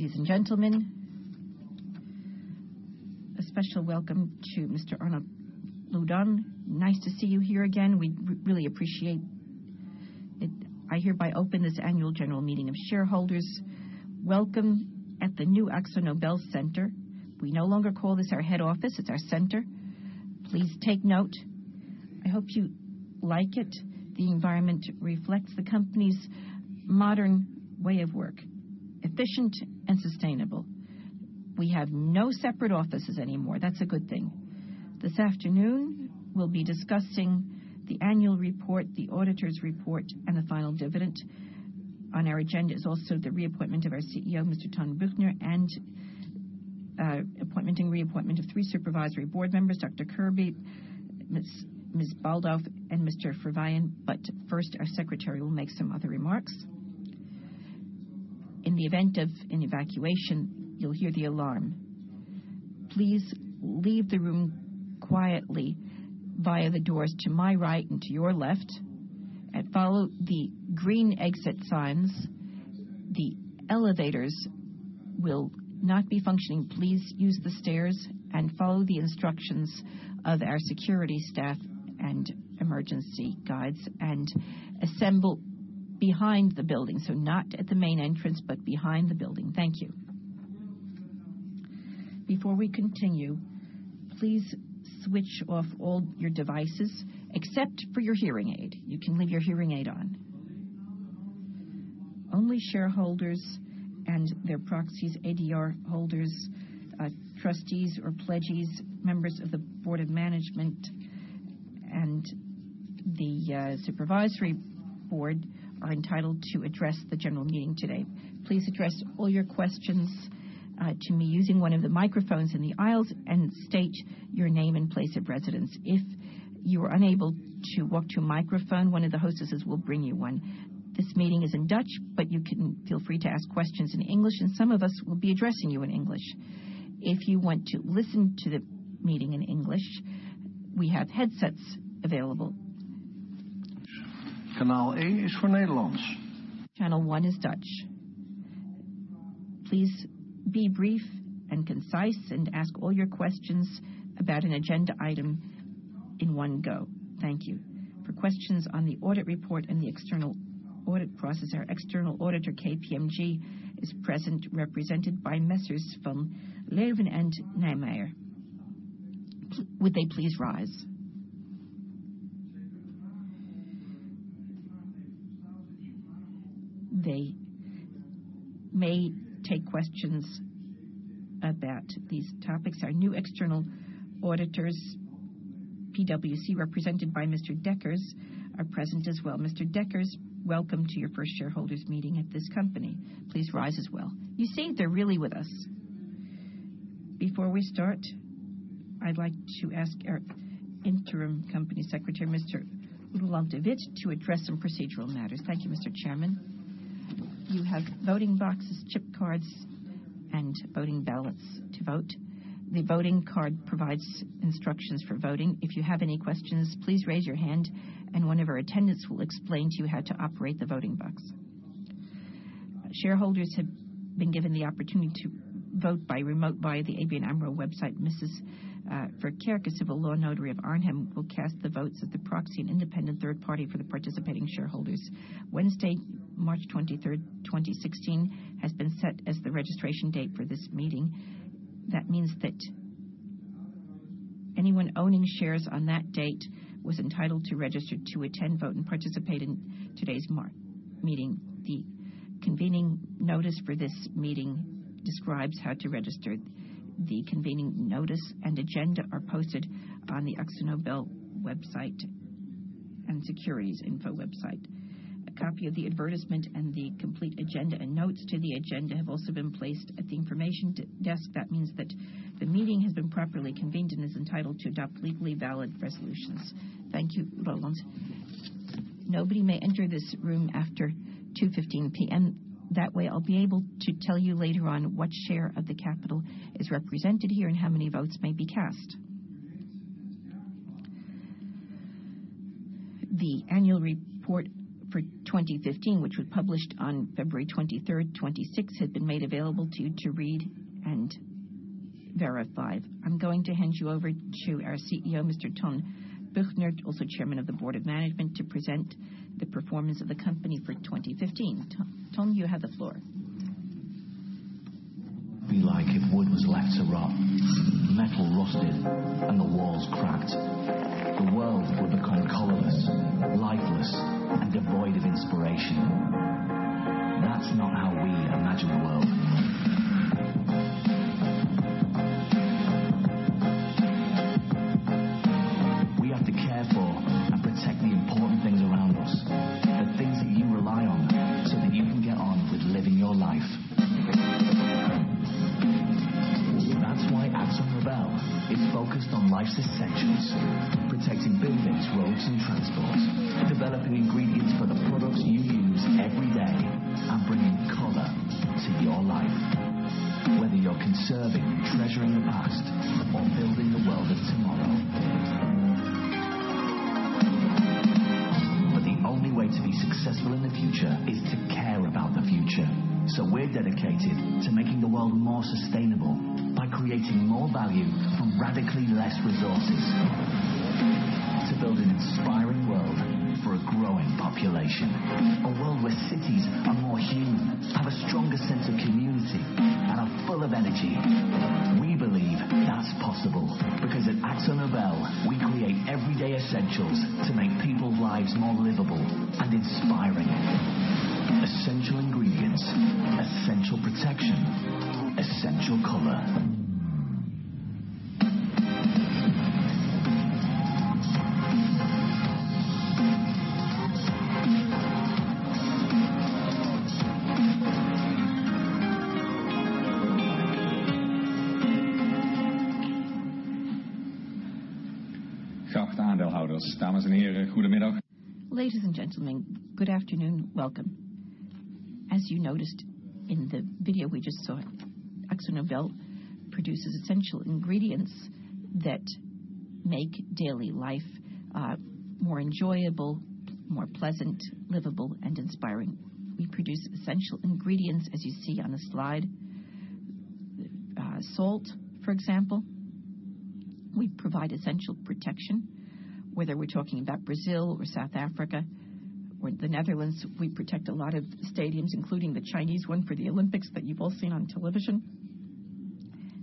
Ladies and gentlemen, a special welcome to Mr. Arnault Lodon. Nice to see you here again. We really appreciate it. I hereby open this annual general meeting of shareholders. Welcome at the new Akzo Nobel Center. We no longer call this our head office. It's our center. Please take note. I hope you like it. The environment reflects the company's modern way of work, efficient and sustainable. We have no separate offices anymore. That's a good thing. This afternoon, we'll be discussing the annual report, the auditor's report, and the final dividend. On our agenda is also the reappointment of our CEO, Mr. Ton Büchner, and appointment and reappointment of three supervisory board members, Dr. Kirby, Ms. Baldauf, and Mr. Verwaayen. First, our secretary will make some other remarks. In the event of an evacuation, you'll hear the alarm. Please leave the room quietly via the doors to my right and to your left, and follow the green exit signs. The elevators will not be functioning. Please use the stairs and follow the instructions of our security staff and emergency guides, and assemble behind the building. Not at the main entrance, but behind the building. Thank you. Before we continue, please switch off all your devices except for your hearing aid. You can leave your hearing aid on. Only shareholders and their proxies, ADR holders, trustees or pledgees, members of the board of management, and the supervisory board are entitled to address the general meeting today. Please address all your questions to me using one of the microphones in the aisles, and state your name and place of residence. If you are unable to walk to a microphone, one of the hostesses will bring you one. This meeting is in Dutch, you can feel free to ask questions in English, some of us will be addressing you in English. If you want to listen to the meeting in English, we have headsets available. Kanal A is for Nederlands. Channel one is Dutch. Please be brief and concise, and ask all your questions about an agenda item in one go. Thank you. For questions on the audit report and the external audit process, our external auditor, KPMG, is present, represented by Messrs. Van Leeuwen and Nijmeijer. Would they please rise? They may take questions about these topics. Our new external auditors, PwC, represented by Mr. Dekkers, are present as well. Mr. Dekkers, welcome to your first shareholders' meeting at this company. Please rise as well. You see, they're really with us. Before we start, I'd like to ask our interim company secretary, Mr. Roeland de Wit, to address some procedural matters. Thank you, Mr. Chairman. You have voting boxes, chip cards, and voting ballots to vote. The voting card provides instructions for voting. If you have any questions, please raise your hand and one of our attendants will explain to you how to operate the voting box. Shareholders have been given the opportunity to vote by remote via the ABN AMRO website. Mrs. Verkerk, a civil law notary of Arnhem, will cast the votes of the proxy and independent third party for the participating shareholders. Wednesday, March 23rd, 2016, has been set as the registration date for this meeting. That means that anyone owning shares on that date was entitled to register to attend, vote, and participate in today's meeting. The convening notice for this meeting describes how to register. The convening notice and agenda are posted on the Akzo Nobel website and securities info website. A copy of the advertisement and the complete agenda and notes to the agenda have also been placed at the information desk. That means that the meeting has been properly convened and is entitled to adopt legally valid resolutions. Thank you, Roeland. Nobody may enter this room after 2:15 P.M. That way, I'll be able to tell you later on what share of the capital is represented here and how many votes may be cast. The annual report for 2015, which was published on February 23rd, 2016, has been made available to you to read and verify. I'm going to hand you over to our CEO, Mr. Ton Büchner, also Chairman of the Board of Management, to present the performance of the company for 2015. Ton, you have the floor. Be like if wood was left to rot, metal rusted, and the walls cracked. The world would become colorless, lifeless, and devoid of inspiration. That's not how we imagine the world. We have to care for and protect the important things around us, the things that you rely on, so that you can get on with living your life. AkzoNobel is focused on life's essentials, protecting buildings, roads, and transport, developing ingredients for the products you use every day, and bringing color to your life. Whether you're conserving, treasuring the past, or building the world of tomorrow. The only way to be successful in the future is to care about the future. We're dedicated to making the world more sustainable by creating more value from radically less resources. To build an inspiring world for a growing population, a world where cities are more human, have a stronger sense of community, and are full of energy. We believe that is possible because at AkzoNobel, we create everyday essentials to make people's lives more livable and inspiring. Essential ingredients, essential protection, essential color. Ladies and gentlemen, good afternoon. Welcome. As you noticed in the video we just saw, AkzoNobel produces essential ingredients that make daily life more enjoyable, more pleasant, livable, and inspiring. We produce essential ingredients, as you see on the slide. Salt, for example. We provide essential protection, whether we are talking about Brazil or South Africa or the Netherlands. We protect a lot of stadiums, including the Chinese one for the Olympics that you have all seen on television.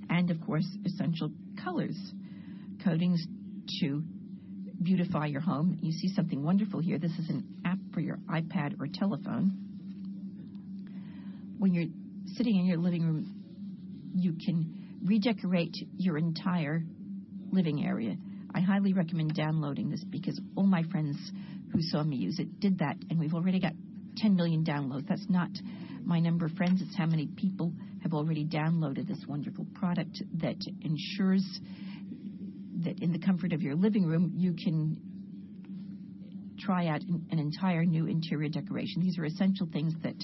And of course, essential colors. Coatings to beautify your home. You see something wonderful here. This is an app for your iPad or telephone. When you are sitting in your living room, you can redecorate your entire living area. I highly recommend downloading this because all my friends who saw me use it did that, and we have already got 10 million downloads. That is not my number of friends. It is how many people have already downloaded this wonderful product that ensures that in the comfort of your living room, you can try out an entire new interior decoration. These are essential things that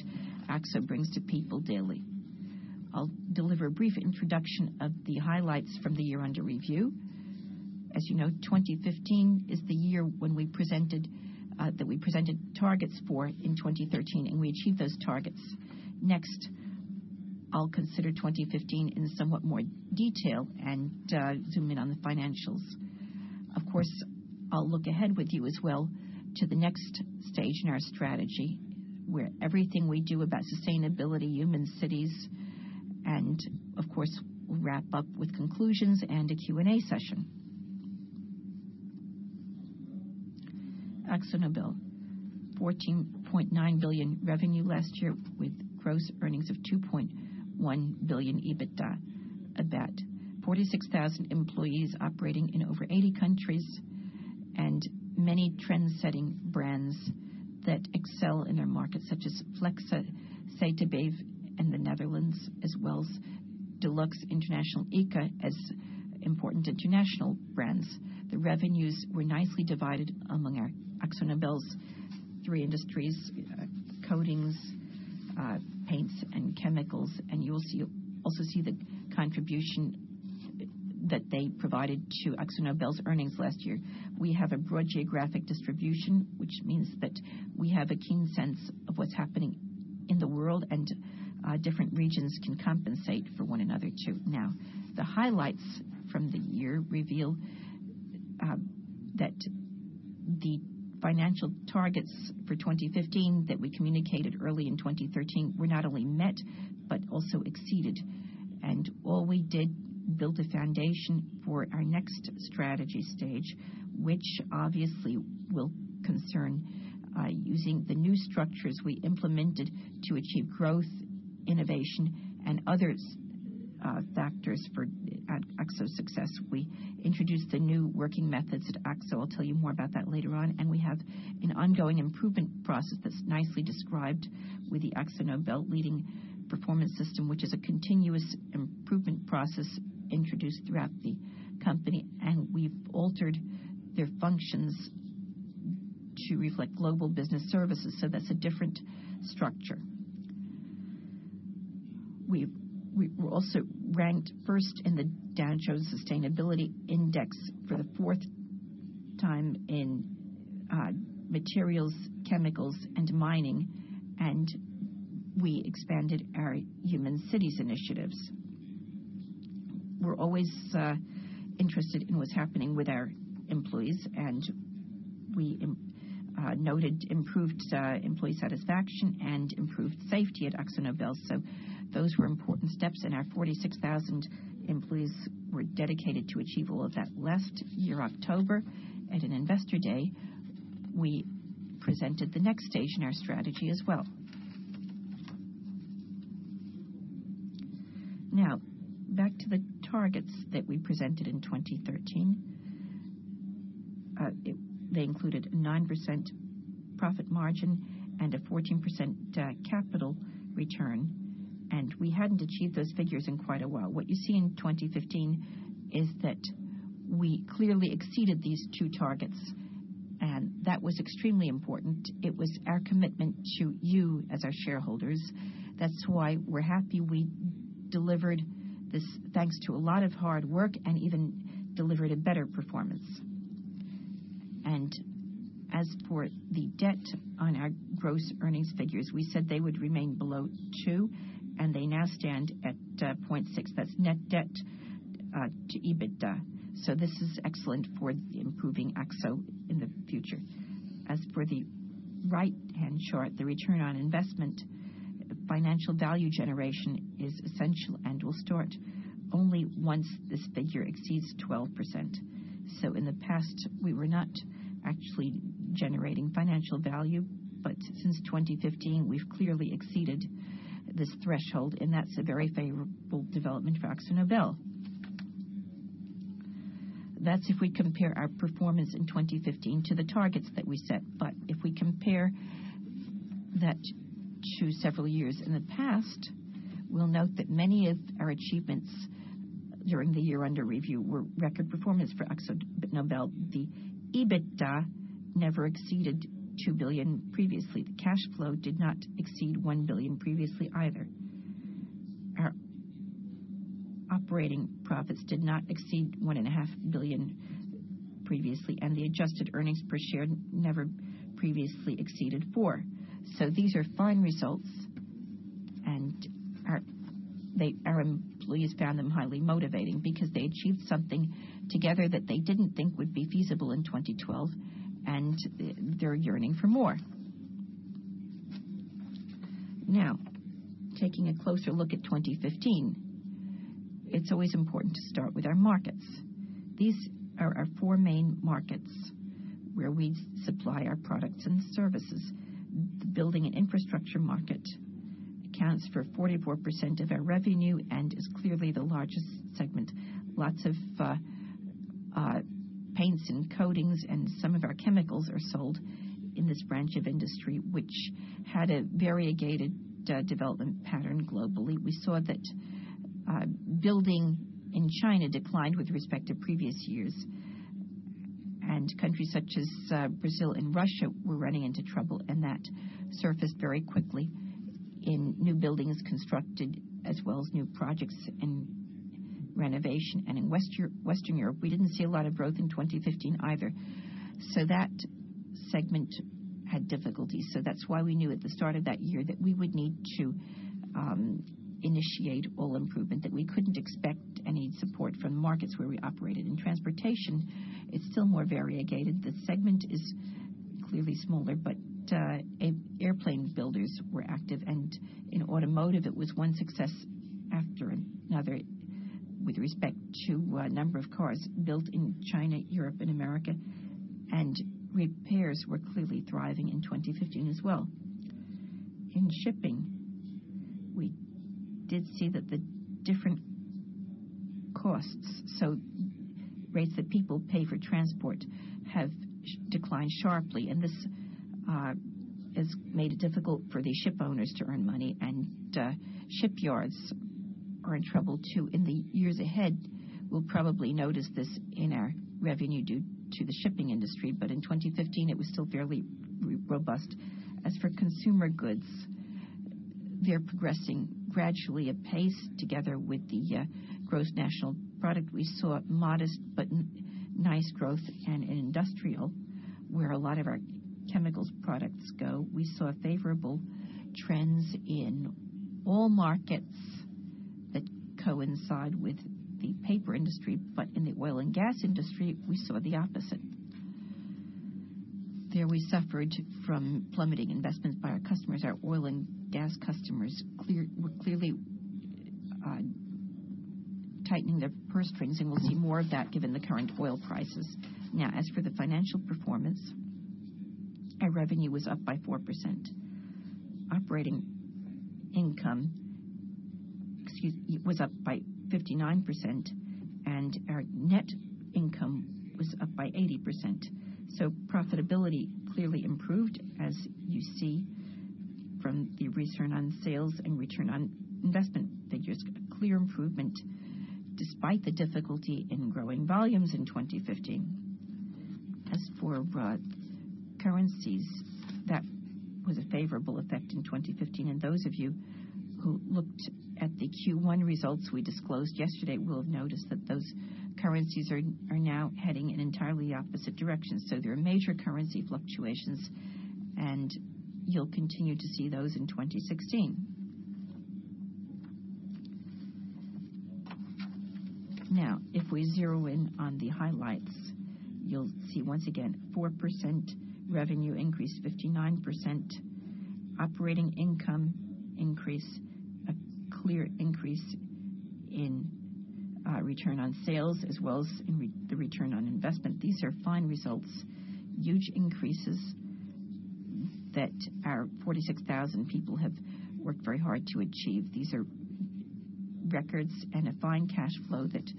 Akzo brings to people daily. I will deliver a brief introduction of the highlights from the year under review. As you know, 2015 is the year that we presented targets for in 2013, and we achieved those targets. Next, I will consider 2015 in somewhat more detail and zoom in on the financials. Of course, I will look ahead with you as well to the next stage in our strategy, where everything we do about sustainability, Human Cities, and of course, we will wrap up with conclusions and a Q&A session. AkzoNobel, 14.9 billion revenue last year with gross earnings of 2.1 billion EBITDA. About 46,000 employees operating in over 80 countries and many trendsetting brands that excel in their markets such as Flexa, Sikkens in the Netherlands, as well as Dulux International, Inca as important international brands. The revenues were nicely divided among AkzoNobel's three industries, coatings, paints, and chemicals, and you will also see the contribution that they provided to AkzoNobel's earnings last year. We have a broad geographic distribution, which means that we have a keen sense of what is happening in the world, and different regions can compensate for one another too. Now, the highlights from the year reveal that the financial targets for 2015 that we communicated early in 2013 were not only met but also exceeded. All we did built a foundation for our next strategy stage, which obviously will concern using the new structures we implemented to achieve growth, innovation, and other factors for Akzo's success. We introduced the new working methods at Akzo. I'll tell you more about that later on. We have an ongoing improvement process that's nicely described with the AkzoNobel Leading Performance System, which is a continuous improvement process introduced throughout the company. We've altered their functions to reflect global business services. That's a different structure. We were also ranked first in the Dow Jones Sustainability Index for the fourth time in materials, chemicals, and mining, and we expanded our Human Cities initiatives. We're always interested in what's happening with our employees, and we noted improved employee satisfaction and improved safety at Akzo Nobel. Those were important steps, and our 46,000 employees were dedicated to achieve all of that. Last year October, at an investor day, we presented the next stage in our strategy as well. Back to the targets that we presented in 2013. They included a 9% profit margin and a 14% capital return. We hadn't achieved those figures in quite a while. What you see in 2015 is that we clearly exceeded these two targets. That was extremely important. It was our commitment to you as our shareholders. That's why we're happy we delivered this thanks to a lot of hard work, even delivered a better performance. As for the debt on our gross earnings figures, we said they would remain below two, and they now stand at 0.6. That's net debt to EBITDA. This is excellent for improving Akzo in the future. As for the right-hand chart, the return on investment financial value generation is essential and will start only once this figure exceeds 12%. In the past, we were not actually generating financial value. Since 2015, we've clearly exceeded this threshold, and that's a very favorable development for Akzo Nobel. That's if we compare our performance in 2015 to the targets that we set. If we compare that to several years in the past, we'll note that many of our achievements during the year under review were record performance for Akzo Nobel. The EBITDA never exceeded 2 billion previously. The cash flow did not exceed 1 billion previously either. Our operating profits did not exceed 1.5 billion previously, and the adjusted earnings per share never previously exceeded four. These are fine results, and our employees found them highly motivating because they achieved something together that they didn't think would be feasible in 2012, and they're yearning for more. Taking a closer look at 2015, it's always important to start with our markets. These are our four main markets where we supply our products and services. The building and infrastructure market accounts for 44% of our revenue and is clearly the largest segment. Lots of paints and coatings and some of our chemicals are sold in this branch of industry, which had a variegated development pattern globally. We saw that building in China declined with respect to previous years. Countries such as Brazil and Russia were running into trouble, and that surfaced very quickly in new buildings constructed, as well as new projects in renovation. In Western Europe, we didn't see a lot of growth in 2015 either. That segment had difficulties. That's why we knew at the start of that year that we would need to initiate all improvement, that we couldn't expect any support from the markets where we operated. In transportation, it's still more variegated. The segment is clearly smaller, but airplane builders were active. In automotive, it was one success after another with respect to a number of cars built in China, Europe, and America. Repairs were clearly thriving in 2015 as well. In shipping, we did see that the different costs, so rates that people pay for transport, have declined sharply, and this has made it difficult for the ship owners to earn money, and shipyards are in trouble, too. In the years ahead, we'll probably notice this in our revenue due to the shipping industry. In 2015, it was still fairly robust. As for consumer goods, they're progressing gradually, at pace, together with the gross national product. We saw modest but nice growth. In industrial, where a lot of our chemicals products go, we saw favorable trends in all markets that coincide with the paper industry. In the oil and gas industry, we saw the opposite. There we suffered from plummeting investments by our customers. Our oil and gas customers were clearly tightening their purse strings, and we'll see more of that given the current oil prices. Our revenue was up by 4%. Operating income was up by 59%, and our net income was up by 80%. So profitability clearly improved, as you see from the return on sales and return on investment figures. A clear improvement despite the difficulty in growing volumes in 2015. As for currencies, that was a favorable effect in 2015, and those of you who looked at the Q1 results we disclosed yesterday will have noticed that those currencies are now heading in entirely opposite directions. So there are major currency fluctuations, and you'll continue to see those in 2016. If we zero in on the highlights, you'll see once again, 4% revenue increase, 59% operating income increase, a clear increase in return on sales, as well as the return on investment. These are fine results. Huge increases that our 46,000 people have worked very hard to achieve. These are records and a fine cash flow that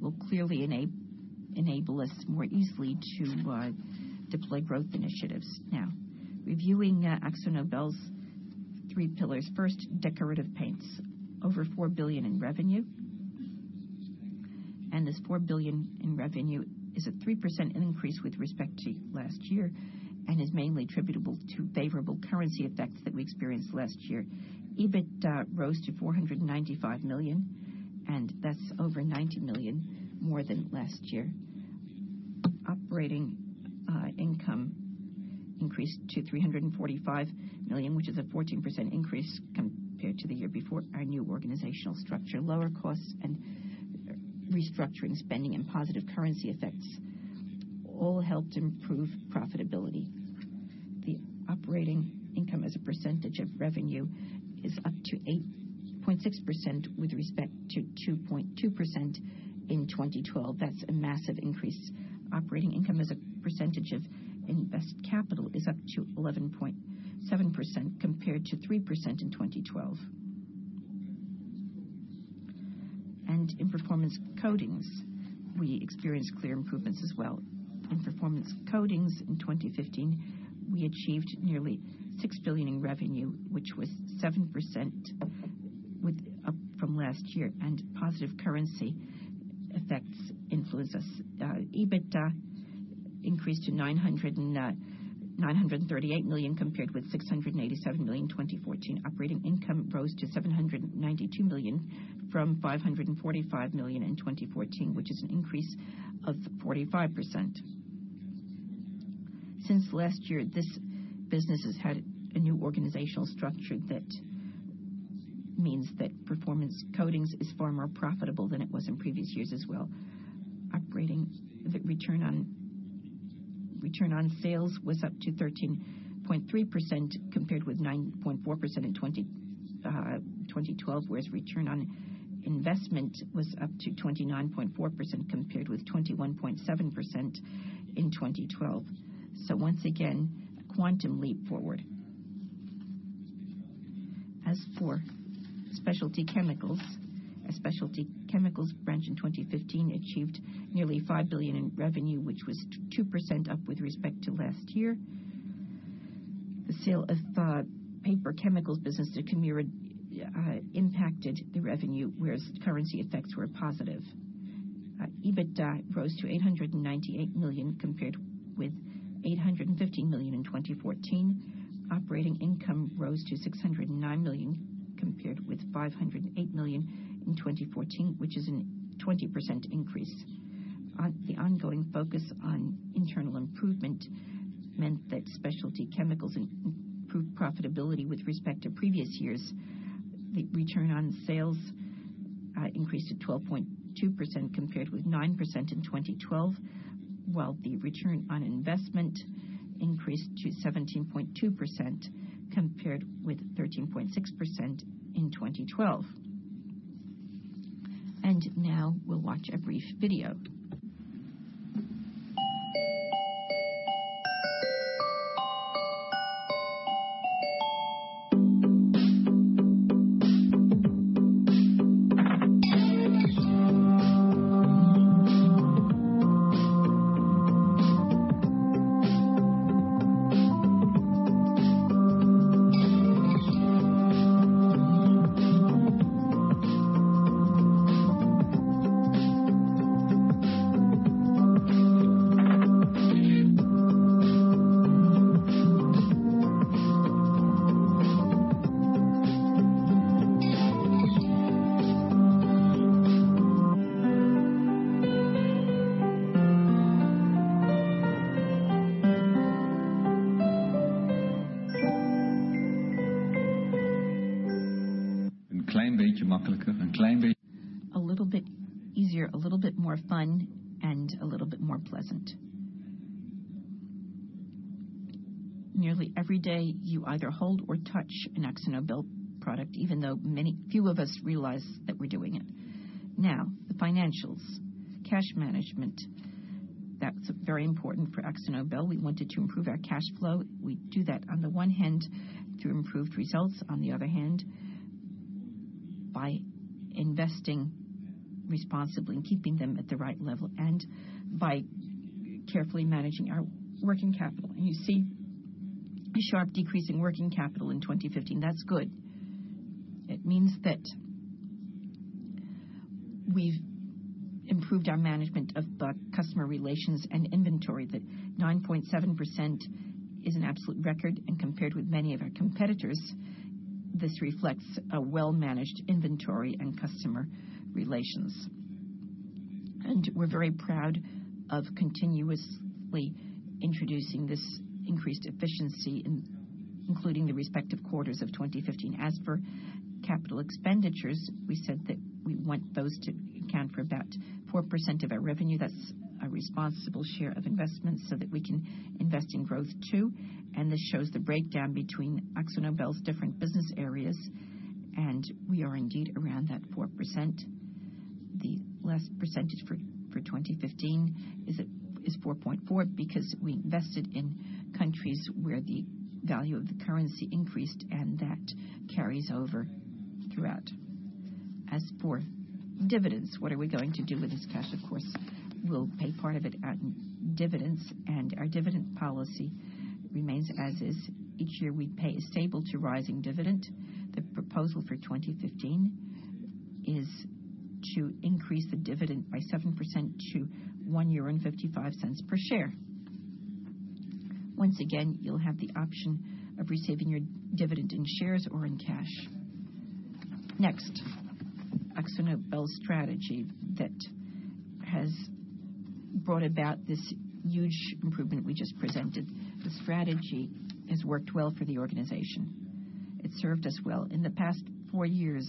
will clearly enable us more easily to deploy growth initiatives. Reviewing AkzoNobel's three pillars. First, Decorative Paints, over 4 billion in revenue, and this 4 billion in revenue is a 3% increase with respect to last year and is mainly attributable to favorable currency effects that we experienced last year. EBIT rose to 495 million, and that's over 90 million more than last year. Operating income increased to 345 million, which is a 14% increase compared to the year before. Our new organizational structure, lower costs, and restructuring spending and positive currency effects all helped improve profitability. The operating income as a percentage of revenue is up to 8.6% with respect to 2.2% in 2012. That's a massive increase. Operating income as a percentage of invested capital is up to 11.7% compared to 3% in 2012. In Performance Coatings, we experienced clear improvements as well. In Performance Coatings in 2015, we achieved nearly 6 billion in revenue, which was 7% up from last year, and positive currency effects influenced us. EBITDA increased to 938 million compared with 687 million in 2014. Operating income rose to 792 million from 545 million in 2014, which is an increase of 45%. Since last year, this business has had a new organizational structure that means that Performance Coatings is far more profitable than it was in previous years as well. Return on sales was up to 13.3% compared with 9.4% in 2012, whereas return on investment was up to 29.4% compared with 21.7% in 2012. Once again, a quantum leap forward. As for Specialty Chemicals, our Specialty Chemicals branch in 2015 achieved nearly 5 billion in revenue, which was 2% up with respect to last year. The sale of the Paper Chemicals business to Kemira impacted the revenue, whereas currency effects were positive. EBITDA rose to 898 million compared with 815 million in 2014. Operating income rose to 609 million compared with 508 million in 2014, which is a 20% increase. The ongoing focus on internal improvement meant that Specialty Chemicals improved profitability with respect to previous years. The return on sales increased to 12.2% compared with 9% in 2012, while the return on investment increased to 17.2% compared with 13.6% in 2012. Now we'll watch a brief video. A little bit easier, a little bit more fun, and a little bit more pleasant. Nearly every day, you either hold or touch an AkzoNobel product, even though few of us realize that we're doing it. Now, the financials. Cash management, that's very important for AkzoNobel. We wanted to improve our cash flow. We do that, on the one hand, through improved results, on the other hand, by investing responsibly and keeping them at the right level, and by carefully managing our working capital. You see a sharp decrease in working capital in 2015. That's good. It means that we've improved our management of customer relations and inventory. That 9.7% is an absolute record, and compared with many of our competitors, this reflects a well-managed inventory and customer relations. We're very proud of continuously introducing this increased efficiency, including the respective quarters of 2015. As for capital expenditures, we said that we want those to account for about 4% of our revenue. That's a responsible share of investment so that we can invest in growth, too. This shows the breakdown between AkzoNobel's different business areas, and we are indeed around that 4%. The last percentage for 2015 is 4.4 because we invested in countries where the value of the currency increased, and that carries over throughout. As for dividends, what are we going to do with this cash? Of course, we'll pay part of it out in dividends, and our dividend policy remains as is. Each year, we pay a stable to rising dividend. The proposal for 2015 is to increase the dividend by 7% to €1.55 per share. Once again, you'll have the option of receiving your dividend in shares or in cash. Next, Akzo Nobel's strategy that has brought about this huge improvement we just presented. The strategy has worked well for the organization. It served us well. In the past four years,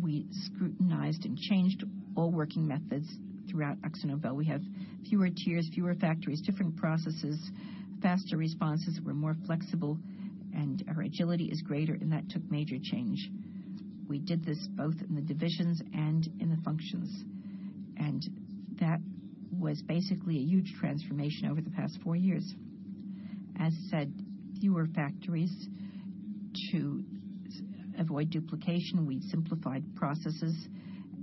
we scrutinized and changed all working methods throughout Akzo Nobel. We have fewer tiers, fewer factories, different processes, faster responses. We're more flexible, and our agility is greater, and that took major change. We did this both in the divisions and in the functions. That was basically a huge transformation over the past four years. As said, fewer factories to avoid duplication. We simplified processes,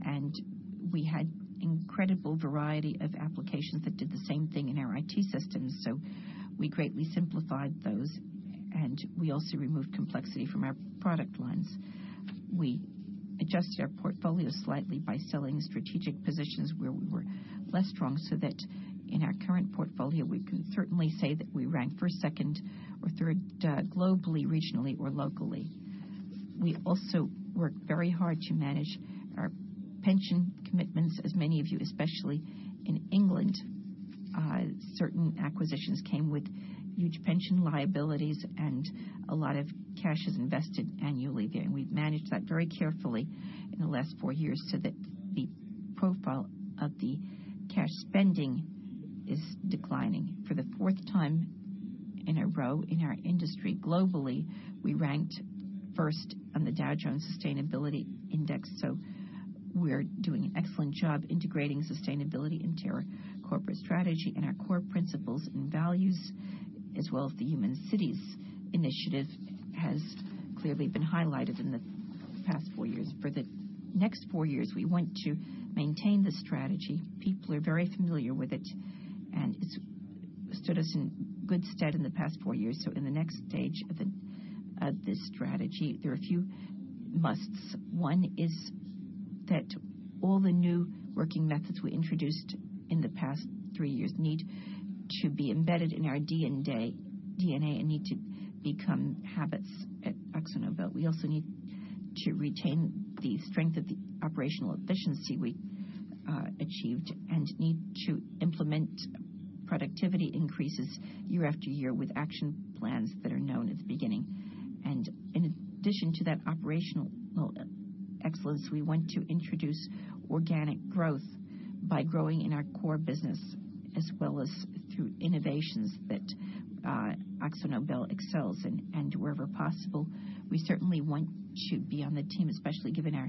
and we had incredible variety of applications that did the same thing in our IT systems. We greatly simplified those, and we also removed complexity from our product lines. We adjusted our portfolio slightly by selling strategic positions where we were less strong, that in our current portfolio, we can certainly say that we rank first, second, or third globally, regionally, or locally. We also work very hard to manage our pension commitments, as many of you, especially in England. Certain acquisitions came with huge pension liabilities, a lot of cash is invested annually there, we've managed that very carefully in the last four years that the profile of the cash spending is declining. For the fourth time in a row in our industry globally, we ranked first on the Dow Jones Sustainability Index. We're doing an excellent job integrating sustainability into our corporate strategy and our core principles and values, as well as the Human Cities initiative has clearly been highlighted in the past four years. For the next four years, we want to maintain the strategy. People are very familiar with it stood us in good stead in the past four years. In the next stage of this strategy, there are a few musts. One is that all the new working methods we introduced in the past three years need to be embedded in our DNA and need to become habits at Akzo Nobel. We also need to retain the strength of the operational efficiency we achieved and need to implement productivity increases year after year with action plans that are known at the beginning. In addition to that operational excellence, we want to introduce organic growth by growing in our core business as well as through innovations that Akzo Nobel excels in. Wherever possible, we certainly want to be on the team, especially given our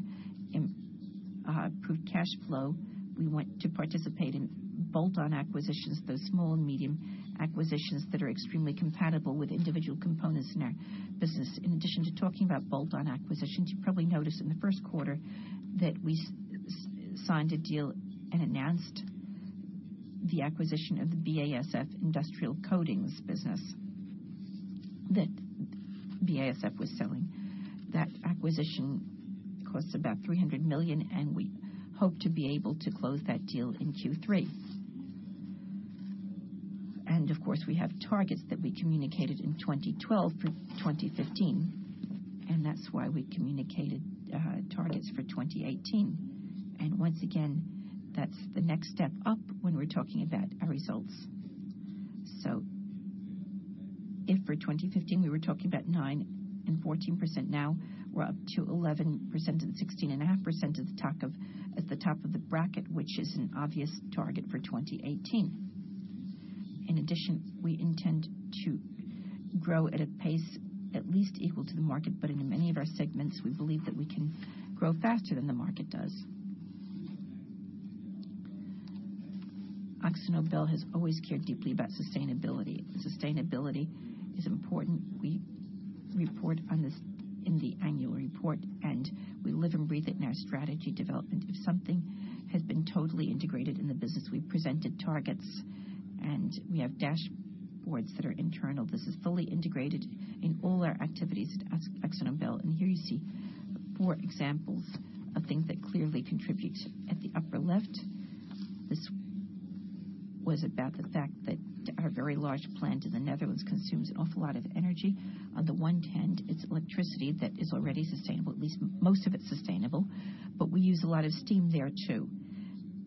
improved cash flow. We want to participate in bolt-on acquisitions, those small and medium acquisitions that are extremely compatible with individual components in our business. In addition to talking about bolt-on acquisitions, you probably noticed in the first quarter that we signed a deal and announced the acquisition of the BASF Industrial Coatings business that BASF was selling. That acquisition cost about 300 million, we hope to be able to close that deal in Q3. Of course, we have targets that we communicated in 2012 through 2015, that's why we communicated targets for 2018. Once again, that's the next step up when we're talking about our results. If for 2015, we were talking about 9% and 14%, now we're up to 11% and 16.5% at the top of the bracket, which is an obvious target for 2018. In addition, we intend to grow at a pace at least equal to the market, but in many of our segments, we believe that we can grow faster than the market does. Akzo Nobel has always cared deeply about sustainability. Sustainability is important. We report on this in the annual report, we live and breathe it in our strategy development. If something has been totally integrated in the business, we presented targets, we have dashboards that are internal. This is fully integrated in all our activities at Akzo Nobel. Here you see four examples of things that clearly contribute. At the upper left, this was about the fact that our very large plant in the Netherlands consumes an awful lot of energy. On the one hand, it's electricity that is already sustainable. At least most of it's sustainable. We use a lot of steam there, too.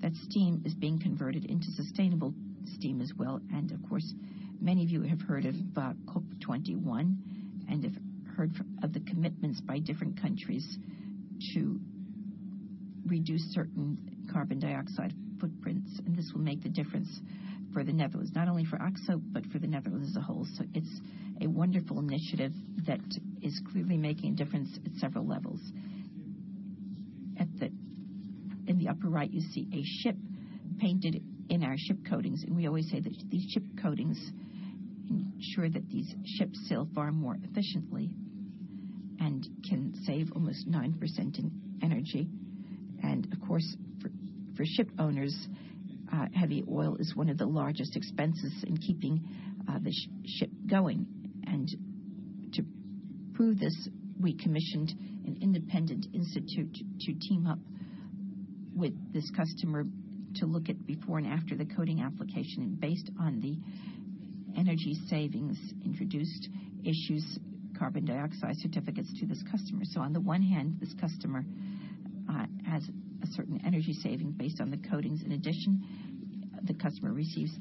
That steam is being converted into sustainable steam as well. Of course, many of you have heard about COP 21 and have heard of the commitments by different countries to reduce certain carbon dioxide footprints. This will make the difference for the Netherlands, not only for Akzo, but for the Netherlands as a whole. It's a wonderful initiative that is clearly making a difference at several levels. Left it. In the upper right, you see a ship painted in our ship coatings, and we always say that these ship coatings ensure that these ships sail far more efficiently and can save almost 9% in energy. Of course, for ship owners, heavy oil is one of the largest expenses in keeping the ship going. To prove this, we commissioned an independent institute to team up with this customer to look at before and after the coating application, and based on the energy savings introduced issues carbon dioxide certificates to this customer. On the one hand, this customer has a certain energy saving based on the coatings. In addition, the customer receives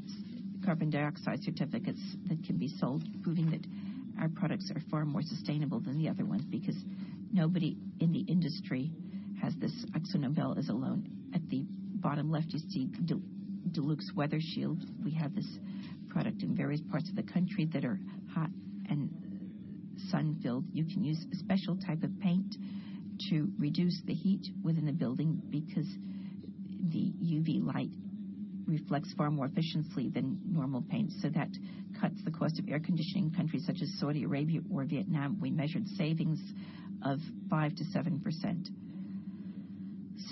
carbon dioxide certificates that can be sold, proving that our products are far more sustainable than the other ones, because nobody in the industry has this. Akzo Nobel is alone. At the bottom left, you see Dulux Weathershield. We have this product in various parts of the country that are hot and sun-filled. You can use a special type of paint to reduce the heat within a building because the UV light reflects far more efficiently than normal paint. That cuts the cost of air conditioning in countries such as Saudi Arabia or Vietnam. We measured savings of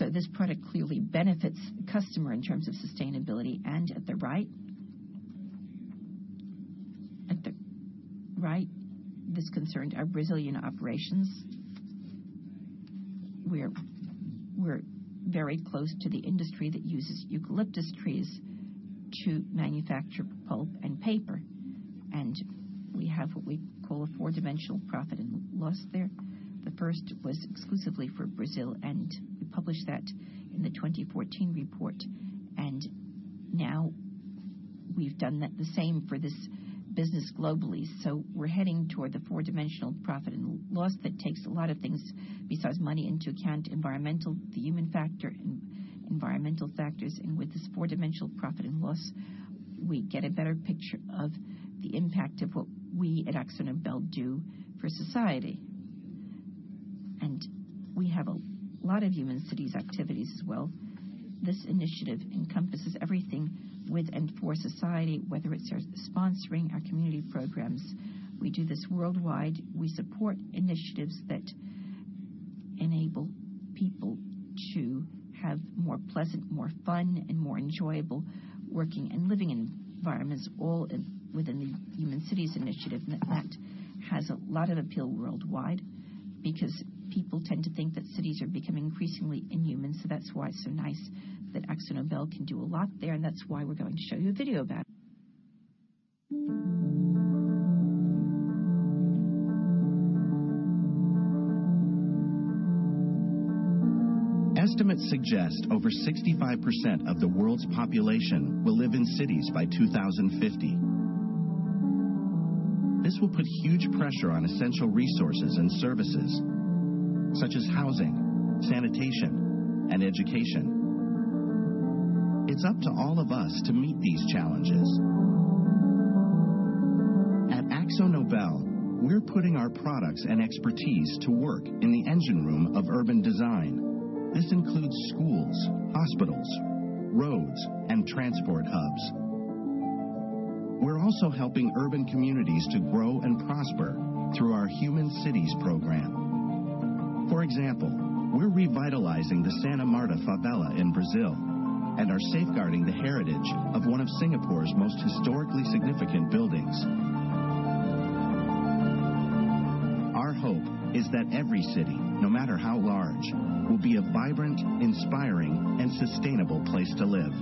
5%-7%. This product clearly benefits the customer in terms of sustainability. At the right, this concerned our Brazilian operations, where we're very close to the industry that uses eucalyptus trees to manufacture pulp and paper. We have what we call a four-dimensional profit and loss there. The first was exclusively for Brazil, and we published that in the 2014 report. Now we've done the same for this business globally. We're heading toward the four-dimensional profit and loss that takes a lot of things besides money into account, environmental, the human factor, environmental factors. With this four-dimensional profit and loss, we get a better picture of the impact of what we at Akzo Nobel do for society. We have a lot of Human Cities activities as well. This initiative encompasses everything with and for society, whether it's sponsoring our community programs. We do this worldwide. We support initiatives that enable people to have more pleasant, more fun, and more enjoyable working and living environments, all within the Human Cities initiative. That has a lot of appeal worldwide because people tend to think that cities are becoming increasingly inhuman. That's why it's so nice that Akzo Nobel can do a lot there, and that's why we're going to show you a video about it. Estimates suggest over 65% of the world's population will live in cities by 2050. This will put huge pressure on essential resources and services such as housing, sanitation, and education. It's up to all of us to meet these challenges. At Akzo Nobel, we're putting our products and expertise to work in the engine room of urban design. This includes schools, hospitals, roads, and transport hubs. We're also helping urban communities to grow and prosper through our Human Cities program. For example, we're revitalizing the Santa Marta favela in Brazil and are safeguarding the heritage of one of Singapore's most historically significant buildings. Our hope is that every city, no matter how large, will be a vibrant, inspiring, and sustainable place to live.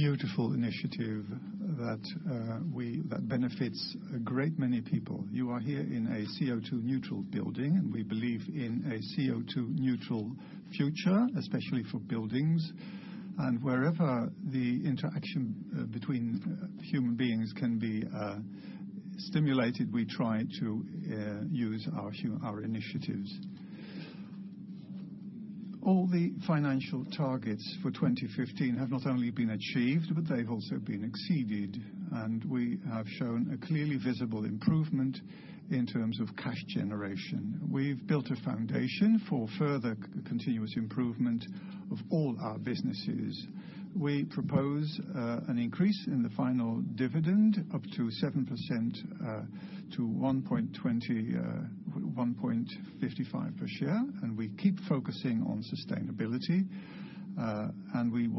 An incredibly beautiful initiative that benefits a great many people. You are here in a CO2 neutral building, we believe in a CO2 neutral future, especially for buildings. Wherever the interaction between human beings can be stimulated, we try to use our initiatives. All the financial targets for 2015 have not only been achieved, but they've also been exceeded, we have shown a clearly visible improvement in terms of cash generation. We've built a foundation for further continuous improvement of all our businesses. We propose an increase in the final dividend up to 7%, to 1.55 per share, we keep focusing on sustainability. We've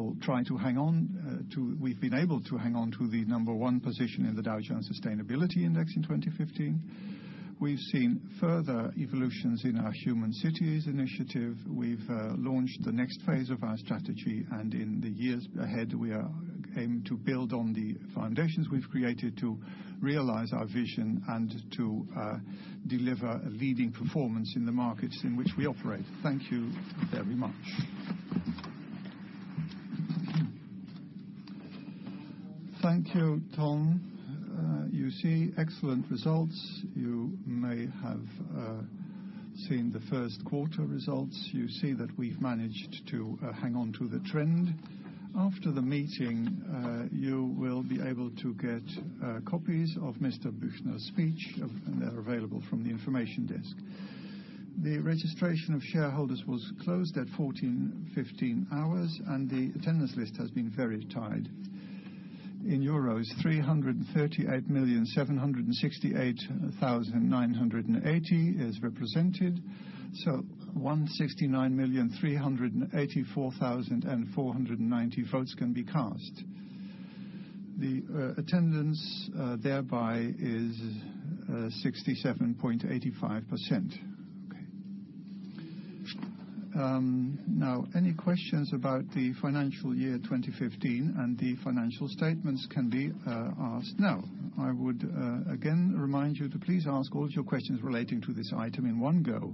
been able to hang on to the number one position in the Dow Jones Sustainability Index in 2015. We've seen further evolutions in our Human Cities initiative. We've launched the next phase of our strategy, in the years ahead, we aim to build on the foundations we've created to realize our vision and to deliver a leading performance in the markets in which we operate. Thank you very much. Thank you, Ton. You see excellent results. You may have seen the first quarter results. You see that we've managed to hang on to the trend. After the meeting, you will be able to get copies of Mr. Büchner's speech. They're available from the information desk. The registration of shareholders was closed at 14:15 hours, the attendance list has been very tied. Euros 338,768,980 is represented, so 169,384,490 votes can be cast. The attendance thereby is 67.85%. Okay. Now, any questions about the financial year 2015 and the financial statements can be asked now. I would again remind you to please ask all of your questions relating to this item in one go.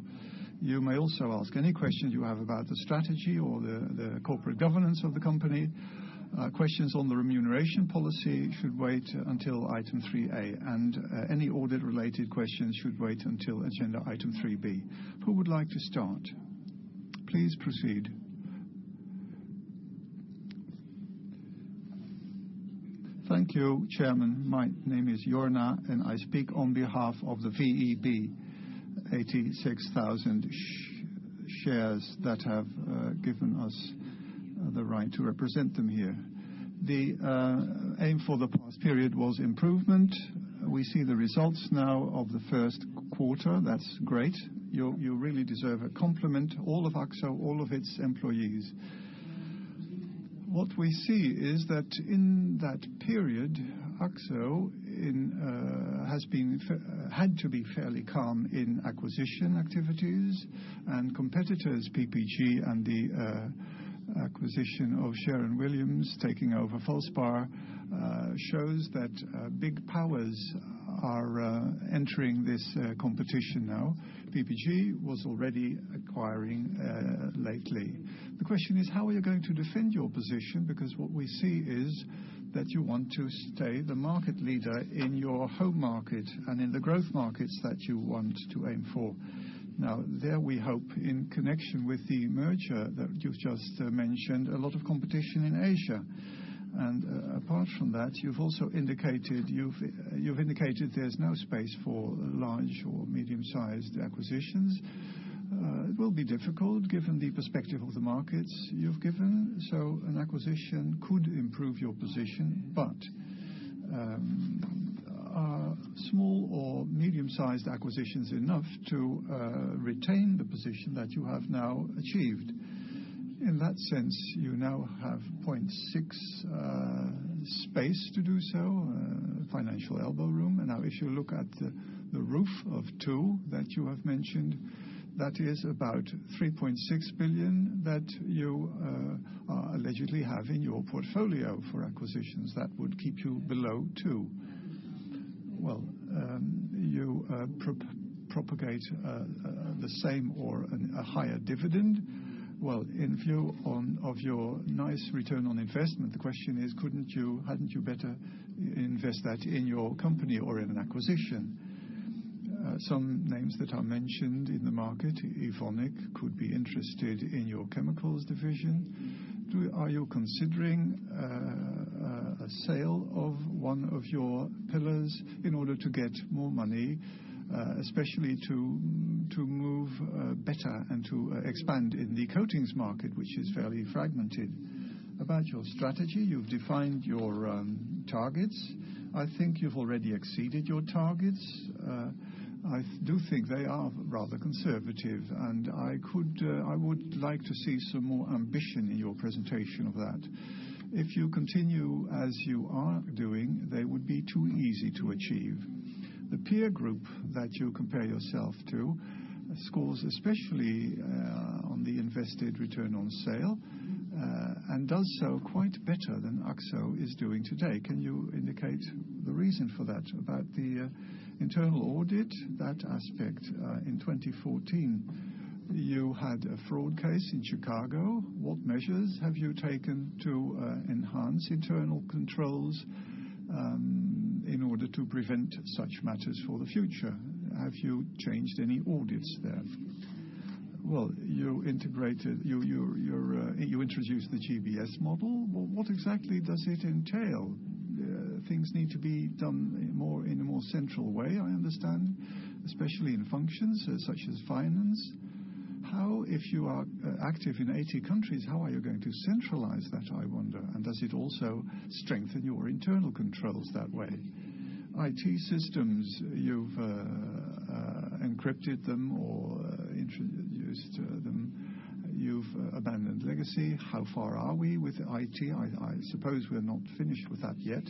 You may also ask any questions you have about the strategy or the corporate governance of the company. Questions on the remuneration policy should wait until item 3A, and any audit-related questions should wait until agenda item 3B. Who would like to start? Please proceed. Thank you, Chairman. My name is Jorna, and I speak on behalf of the VEB, 86,000 shares that have given us the right to represent them here. The aim for the past period was improvement. We see the results now of the first quarter. That's great. You really deserve a compliment, all of Akzo, all of its employees. What we see is that in that period, Akzo had to be fairly calm in acquisition activities, and competitors, PPG and the acquisition of Sherwin-Williams taking over Valspar, shows that big powers are entering this competition now. PPG was already acquiring lately. The question is, how are you going to defend your position? Now, there we hope, in connection with the merger that you've just mentioned, a lot of competition in Asia. And apart from that, you've indicated there's no space for large or medium-sized acquisitions. It will be difficult given the perspective of the markets you've given. So an acquisition could improve your position. But are small or medium-sized acquisitions enough to retain the position that you have now achieved? In that sense, you now have 0.6 space to do so, financial elbow room. And now if you look at the roof of 2 that you have mentioned, that is about 3.6 billion that you allegedly have in your portfolio for acquisitions. That would keep you below 2. Well, you propagate the same or a higher dividend. Well, in view of your nice return on investment, the question is, hadn't you better invest that in your company or in an acquisition? Some names that are mentioned in the market, Evonik, could be interested in your chemicals division. Are you considering a sale of one of your pillars in order to get more money, especially to move better and to expand in the coatings market, which is fairly fragmented? About your strategy, you've defined your targets. I think you've already exceeded your targets. I do think they are rather conservative, and I would like to see some more ambition in your presentation of that. If you continue as you are doing, they would be too easy to achieve. The peer group that you compare yourself to scores especially on the invested return on sale, and does so quite better than Akzo is doing today. Can you indicate the reason for that? About the internal audit, that aspect in 2014, you had a fraud case in Chicago. What measures have you taken to enhance internal controls in order to prevent such matters for the future? Have you changed any audits there? Well, you introduced the GBS model. Well, what exactly does it entail? Things need to be done in a more central way, I understand, especially in functions such as finance. If you are active in 80 countries, how are you going to centralize that, I wonder, and does it also strengthen your internal controls that way? IT systems, you've encrypted them or introduced them. You've abandoned Legacy. How far are we with IT? I suppose we're not finished with that yet.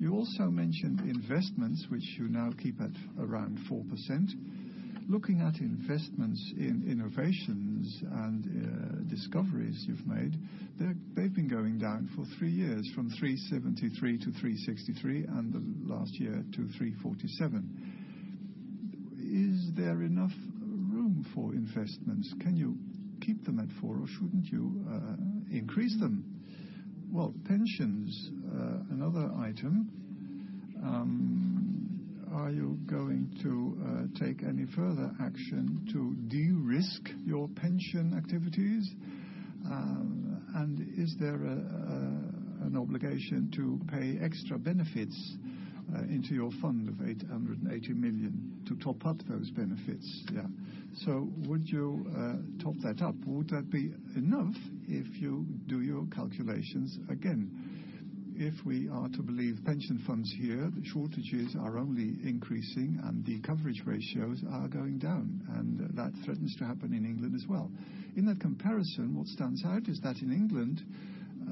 You also mentioned investments, which you now keep at around 4%. Looking at investments in innovations and discoveries you've made, they've been going down for three years, from 373 to 363, and the last year to 347. Is there enough room for investments? Can you keep them at four, or shouldn't you increase them? Pensions, another item. Are you going to take any further action to de-risk your pension activities? Is there an obligation to pay extra benefits into your fund of 880 million to top up those benefits? Would you top that up? Would that be enough if you do your calculations again? If we are to believe pension funds here, the shortages are only increasing, and the coverage ratios are going down, and that threatens to happen in England as well. In that comparison, what stands out is that in England,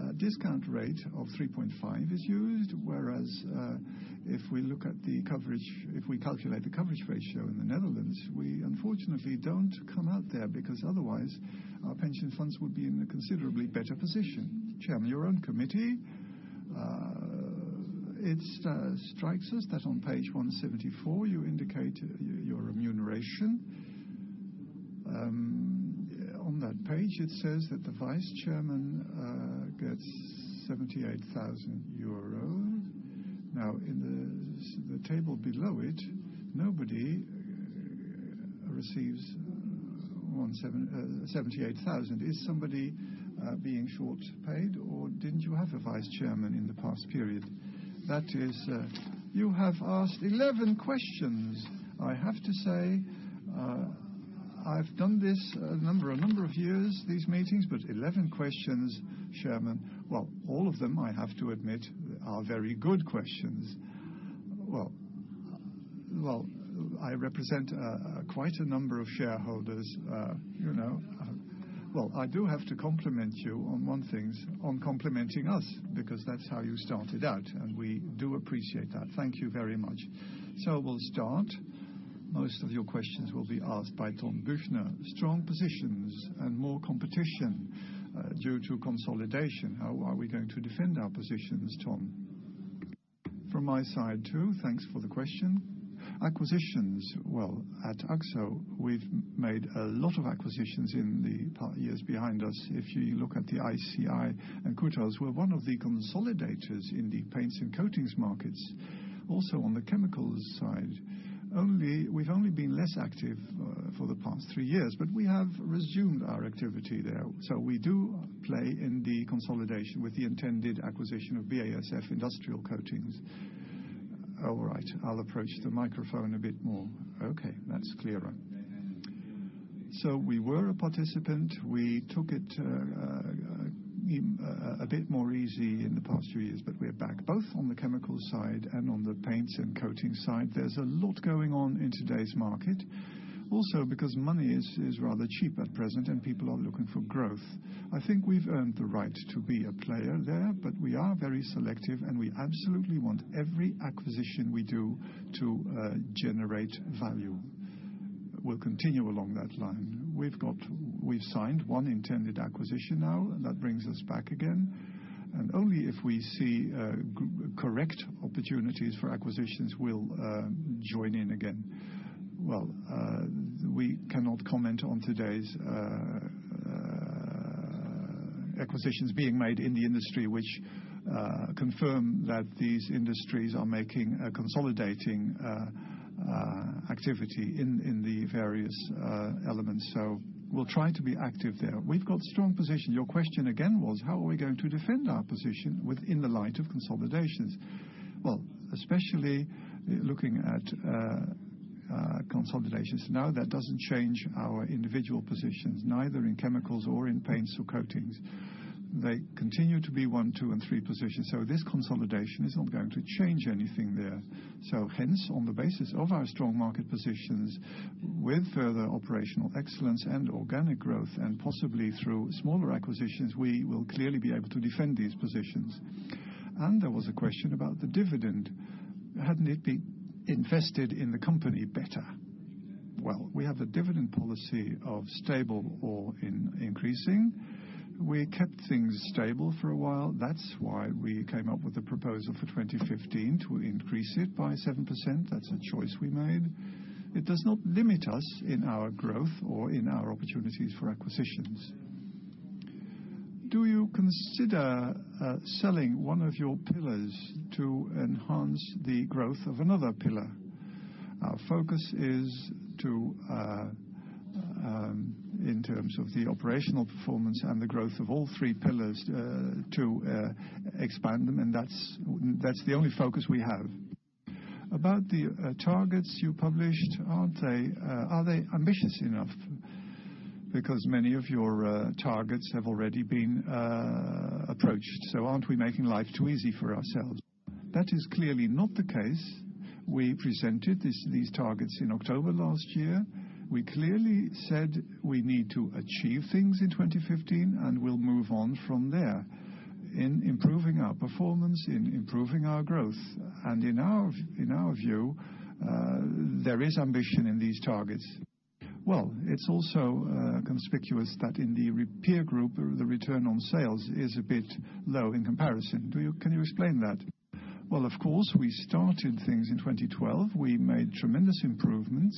a discount rate of 3.5 is used, whereas if we calculate the coverage ratio in the Netherlands, we unfortunately don't come out there because otherwise our pension funds would be in a considerably better position. Chairman, your own committee. It strikes us that on page 174, you indicate your remuneration. On that page, it says that the vice chairman gets 78,000 euro. In the table below it, nobody receives 78,000. Is somebody being short paid, or didn't you have a vice chairman in the past period? You have asked 11 questions. I have to say, I've done this a number of years, these meetings, 11 questions, Chairman. All of them, I have to admit, are very good questions. I represent quite a number of shareholders. I do have to compliment you on one thing, on complimenting us, because that's how you started out, we do appreciate that. Thank you very much. We'll start. Most of your questions will be asked by Ton Büchner. Strong positions and more competition due to consolidation. How are we going to defend our positions, Ton? From my side, too, thanks for the question. Acquisitions. At Akzo, we've made a lot of acquisitions in the years behind us. If you look at the ICI and Croda, we're one of the consolidators in the paints and coatings markets. Also on the chemicals side. We've only been less active for the past three years, we have resumed our activity there. We do play in the consolidation with the intended acquisition of BASF Industrial Coatings. All right, I'll approach the microphone a bit more. Okay, that's clearer. We were a participant. We took it a bit more easy in the past few years, we're back both on the chemical side and on the paints and coating side. There's a lot going on in today's market. Also because money is rather cheap at present, people are looking for growth. I think we've earned the right to be a player there, we are very selective, we absolutely want every acquisition we do to generate value. We'll continue along that line. We've signed one intended acquisition now, that brings us back again. Only if we see correct opportunities for acquisitions, we'll join in again. We cannot comment on today's acquisitions being made in the industry, which confirm that these industries are making a consolidating activity in the various elements. We'll try to be active there. We've got strong position. Your question again was how are we going to defend our position within the light of consolidations? Especially looking at consolidations, no, that doesn't change our individual positions, neither in chemicals or in paints or coatings. They continue to be one, two, and three positions. This consolidation is not going to change anything there. On the basis of our strong market positions, with further operational excellence and organic growth, and possibly through smaller acquisitions, we will clearly be able to defend these positions. There was a question about the dividend. Hadn't it been invested in the company better? We have a dividend policy of stable or increasing. We kept things stable for a while. That's why we came up with a proposal for 2015 to increase it by 7%. That's a choice we made. It does not limit us in our growth or in our opportunities for acquisitions. Do you consider selling one of your pillars to enhance the growth of another pillar? Our focus is in terms of the operational performance and the growth of all three pillars to expand them, and that's the only focus we have. About the targets you published, are they ambitious enough? Many of your targets have already been approached, aren't we making life too easy for ourselves? That is clearly not the case. We presented these targets in October last year. We clearly said we need to achieve things in 2015, we'll move on from there in improving our performance, in improving our growth. In our view, there is ambition in these targets. Well, it's also conspicuous that in the peer group, the return on sales is a bit low in comparison. Can you explain that? Well, of course, we started things in 2012. We made tremendous improvements.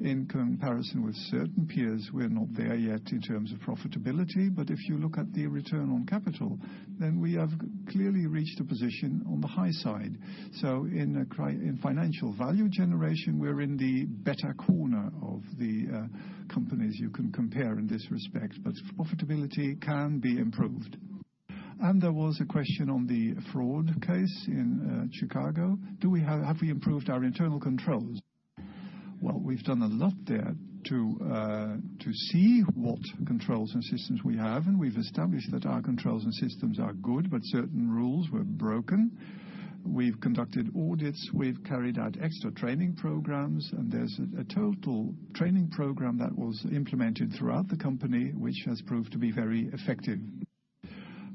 In comparison with certain peers, we're not there yet in terms of profitability, if you look at the return on capital, then we have clearly reached a position on the high side. In financial value generation, we're in the better corner of the companies you can compare in this respect, profitability can be improved. There was a question on the fraud case in Chicago. Have we improved our internal controls? Well, we've done a lot there to see what controls and systems we have, we've established that our controls and systems are good, certain rules were broken. We've conducted audits, we've carried out extra training programs, there's a total training program that was implemented throughout the company, which has proved to be very effective.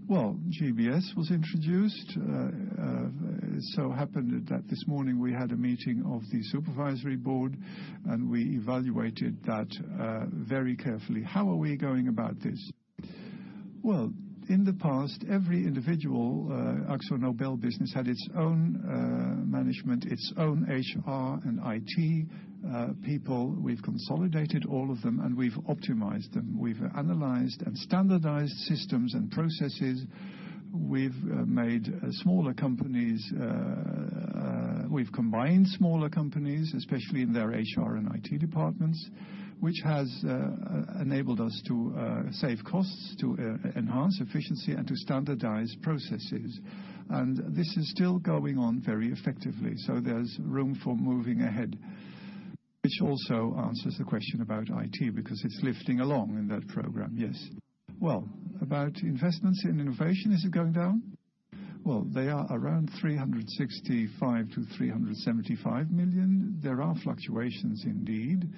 Well, GBS was introduced. It so happened that this morning we had a meeting of the supervisory board, we evaluated that very carefully. How are we going about this? Well, in the past, every individual Akzo Nobel business had its own management, its own HR and IT people. We've consolidated all of them, we've optimized them. We've analyzed and standardized systems and processes. We've combined smaller companies, especially in their HR and IT departments, which has enabled us to save costs, to enhance efficiency, to standardize processes. This is still going on very effectively. There's room for moving ahead, which also answers the question about IT, because it's lifting along in that program, yes. Well, about investments in innovation, is it going down? Well, they are around 365 million-375 million. There are fluctuations indeed.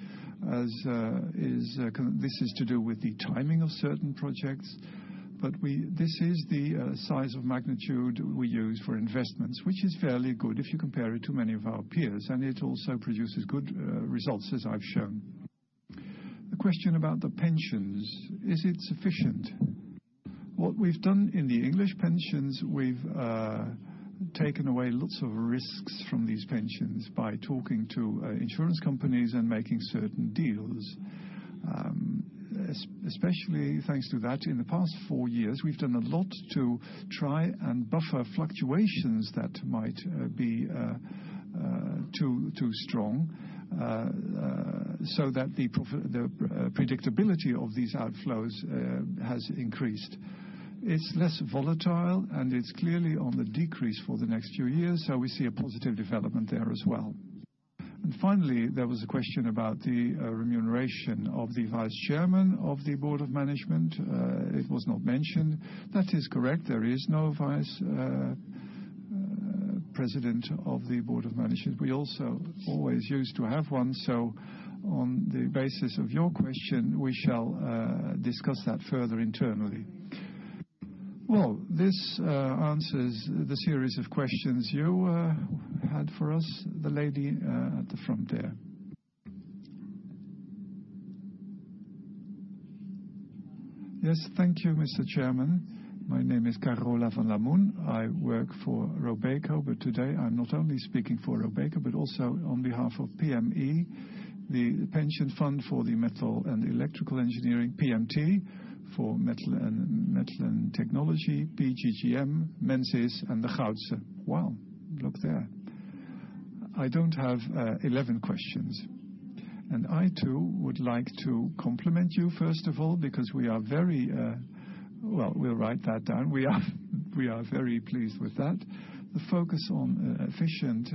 This is to do with the timing of certain projects. This is the size of magnitude we use for investments, which is fairly good if you compare it to many of our peers, and it also produces good results, as I've shown. The question about the pensions, is it sufficient? What we've done in the English pensions, we've taken away lots of risks from these pensions by talking to insurance companies and making certain deals. Especially thanks to that, in the past 4 years, we've done a lot to try and buffer fluctuations that might be too strong, so that the predictability of these outflows has increased. It's less volatile. It's clearly on the decrease for the next few years, so we see a positive development there as well. Finally, there was a question about the remuneration of the vice chairman of the board of management. It was not mentioned. That is correct. There is no vice president of the board of management. We also always used to have one. On the basis of your question, we shall discuss that further internally. Well, this answers the series of questions you had for us. The lady at the front there. Yes, thank you, Mr. Chairman. My name is Carola van Lierop. I work for Robeco. Today I'm not only speaking for Robeco, but also on behalf of PME, the pension fund for the metal and electrical engineering, PMT for metal and technology, PGGM, Menzies, and De Goudse. Wow, look there. I don't have 11 questions. I too would like to compliment you, first of all, because we are very Well, we'll write that down. We are very pleased with that. The focus on efficient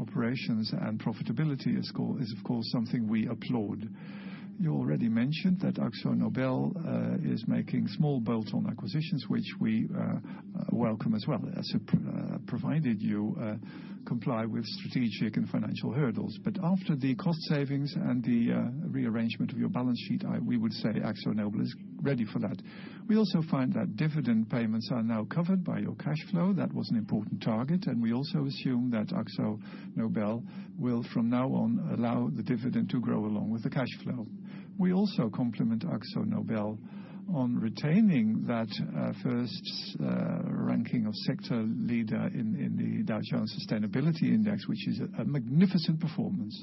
operations and profitability is of course something we applaud. You already mentioned that Akzo Nobel is making small bolt-on acquisitions, which we welcome as well, provided you comply with strategic and financial hurdles. After the cost savings and the rearrangement of your balance sheet, we would say Akzo Nobel is ready for that. We also find that dividend payments are now covered by your cash flow. That was an important target. We also assume that Akzo Nobel will from now on allow the dividend to grow along with the cash flow. We also compliment Akzo Nobel on retaining that first ranking of sector leader in the Dow Jones Sustainability Index, which is a magnificent performance.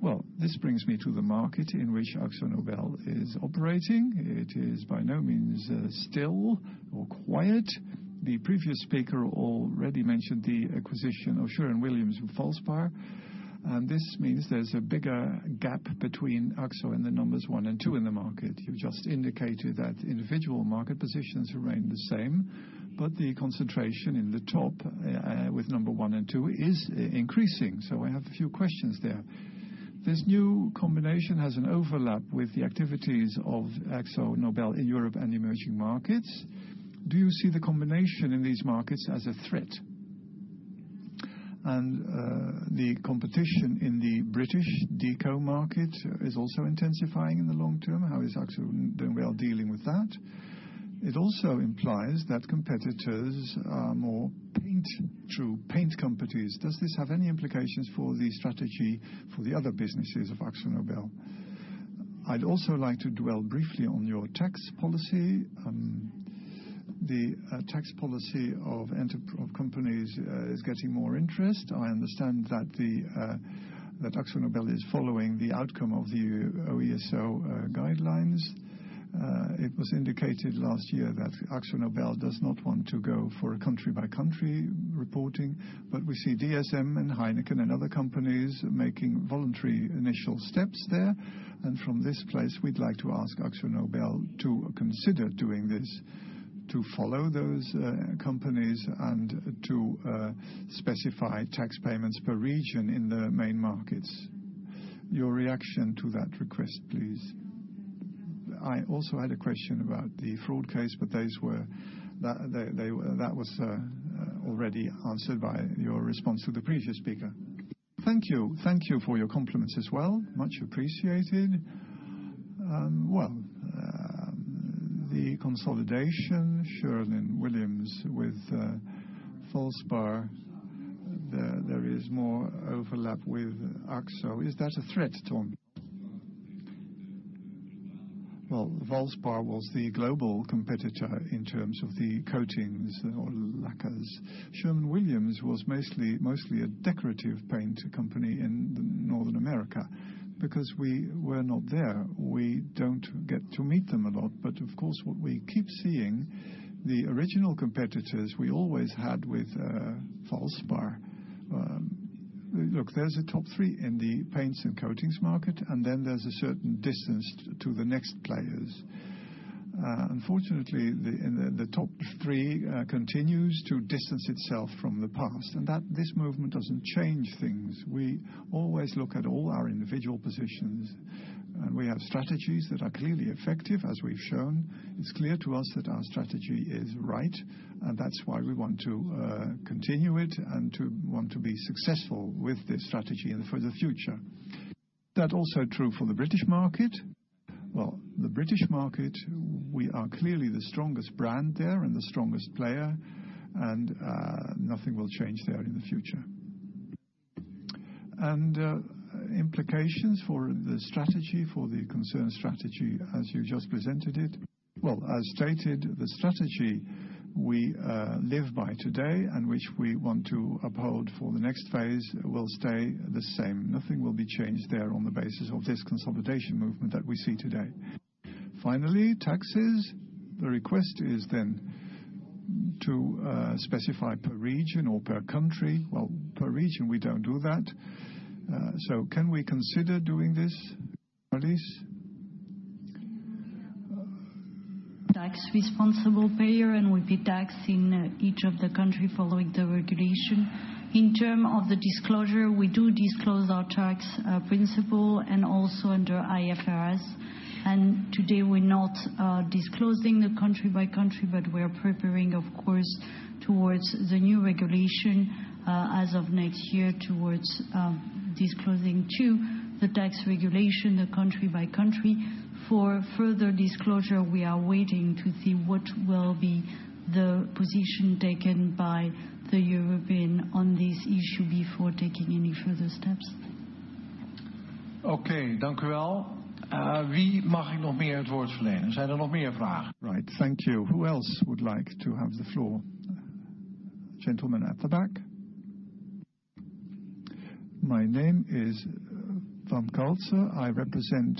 Well, this brings me to the market in which Akzo Nobel is operating. It is by no means still or quiet. The previous speaker already mentioned the acquisition of Sherwin-Williams and Valspar. This means there's a bigger gap between Akzo and the numbers one and two in the market. You just indicated that individual market positions remain the same. The concentration in the top with number one and two is increasing. I have a few questions there. This new combination has an overlap with the activities of Akzo Nobel in Europe and emerging markets. Do you see the combination in these markets as a threat? The competition in the British deco market is also intensifying in the long term. How is Akzo Nobel dealing with that? It also implies that competitors are more paint to paint companies. Does this have any implications for the strategy for the other businesses of Akzo Nobel? I'd also like to dwell briefly on your tax policy. The tax policy of companies is getting more interest. I understand that Akzo Nobel is following the outcome of the OESO guidelines. It was indicated last year that Akzo Nobel does not want to go for a country-by-country reporting, but we see DSM and Heineken and other companies making voluntary initial steps there. From this place, we'd like to ask Akzo Nobel to consider doing this, to follow those companies and to specify tax payments per region in the main markets. Your reaction to that request, please? I also had a question about the fraud case, but that was already answered by your response to the previous speaker. Thank you. Thank you for your compliments as well. Much appreciated. The consolidation, Sherwin-Williams with Valspar, there is more overlap with Akzo. Is that a threat, Ton? Well, Valspar was the global competitor in terms of the coatings or lacquers. Sherwin-Williams was mostly a decorative paint company in North America. Because we were not there, we don't get to meet them a lot. But of course, what we keep seeing, the original competitors we always had with Valspar. Look, there's a top three in the paints and coatings market, and then there's a certain distance to the next players. Unfortunately, the top three continues to distance itself from the past, and this movement doesn't change things. We always look at all our individual positions, and we have strategies that are clearly effective, as we've shown. It's clear to us that our strategy is right, and that's why we want to continue it and to want to be successful with this strategy for the future. That also true for the U.K. market? Well, the U.K. market, we are clearly the strongest brand there and the strongest player, and nothing will change there in the future. Implications for the strategy, for the concerned strategy as you just presented it? Well, as stated, the strategy we live by today and which we want to uphold for the next phase will stay the same. Nothing will be changed there on the basis of this consolidation movement that we see today. Taxes. The request is then to specify per region or per country. Well, per region, we don't do that. Can we consider doing this, Maëlys? Tax-responsible payer. We pay tax in each of the country following the regulation. In term of the disclosure, we do disclose our tax principle and also under IFRS. Today, we're not disclosing the country-by-country, but we're preparing, of course, towards the new regulation as of next year towards disclosing too, the tax regulation, the country-by-country. For further disclosure, we are waiting to see what will be the position taken by the European on this issue before taking any further steps. Okay. Thank you. Thank you. Who else would like to have the floor? Gentleman at the back. My name is Van Karlser. I represent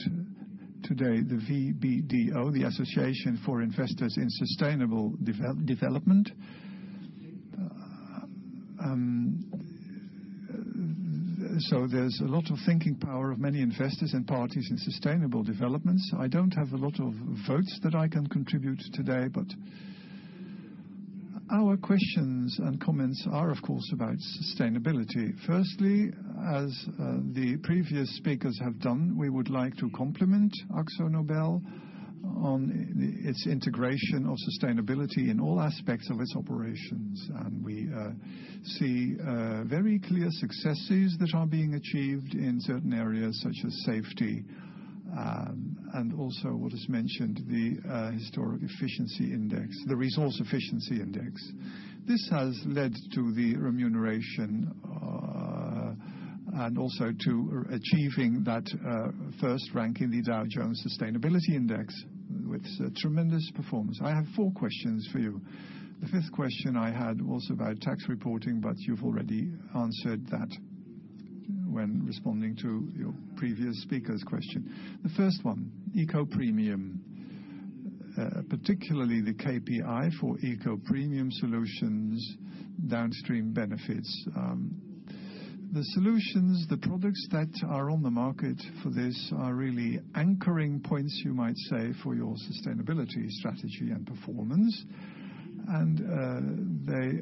today the VBDO, the Association for Investors in Sustainable Development. There's a lot of thinking power of many investors and parties in sustainable developments. I don't have a lot of votes that I can contribute today, but our questions and comments are, of course, about sustainability. Firstly, as the previous speakers have done, we would like to compliment Akzo Nobel on its integration of sustainability in all aspects of its operations. We see very clear successes that are being achieved in certain areas such as safety, and also what is mentioned, the historic efficiency index, the Resource Efficiency Index. This has led to the remuneration and also to achieving that first rank in the Dow Jones Sustainability Index with tremendous performance. I have four questions for you. The fifth question I had was about tax reporting, but you've already answered that when responding to your previous speaker's question. The first one, Eco-premium, particularly the KPI for Eco-premium solutions, downstream benefits. The solutions, the products that are on the market for this are really anchoring points, you might say, for your sustainability strategy and performance. They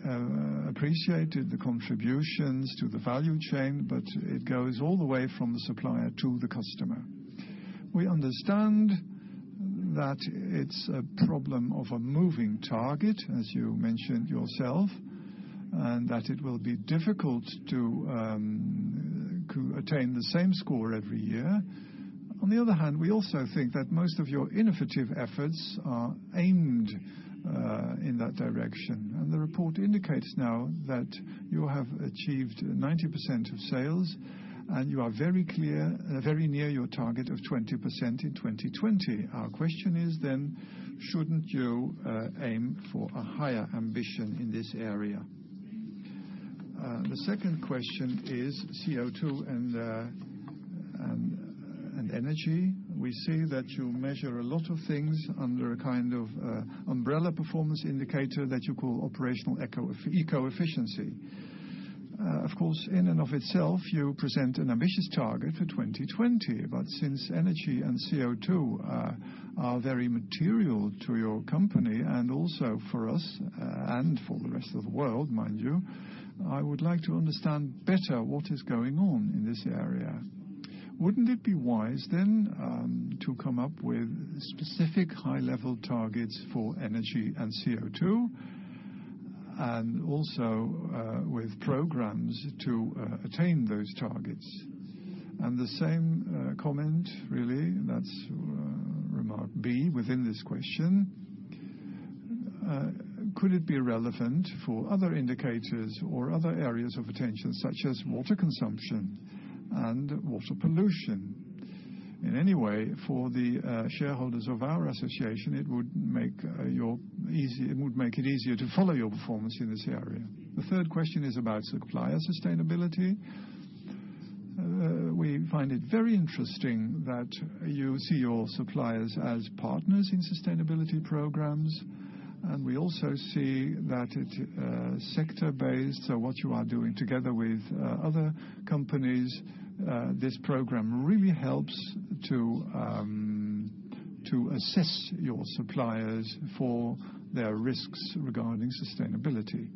appreciated the contributions to the value chain, but it goes all the way from the supplier to the customer. We understand that it's a problem of a moving target, as you mentioned yourself, and that it will be difficult to attain the same score every year. On the other hand, we also think that most of your innovative efforts are aimed in that direction. The report indicates now that you have achieved 90% of sales, and you are very near your target of 20% in 2020. Our question is, shouldn't you aim for a higher ambition in this area? The second question is CO2 and energy. We see that you measure a lot of things under a kind of umbrella performance indicator that you call operational eco-efficiency. Of course, in and of itself, you present an ambitious target for 2020. Since energy and CO2 are very material to your company and also for us and for the rest of the world, mind you, I would like to understand better what is going on in this area. Wouldn't it be wise to come up with specific high-level targets for energy and CO2 and also with programs to attain those targets? The same comment, really, that's remark B within this question. Could it be relevant for other indicators or other areas of attention, such as water consumption and water pollution? In any way, for the shareholders of our association, it would make it easier to follow your performance in this area. The third question is about supplier sustainability. We find it very interesting that you see your suppliers as partners in sustainability programs. We also see that it is sector based. What you are doing together with other companies, this program really helps to assess your suppliers for their risks regarding sustainability.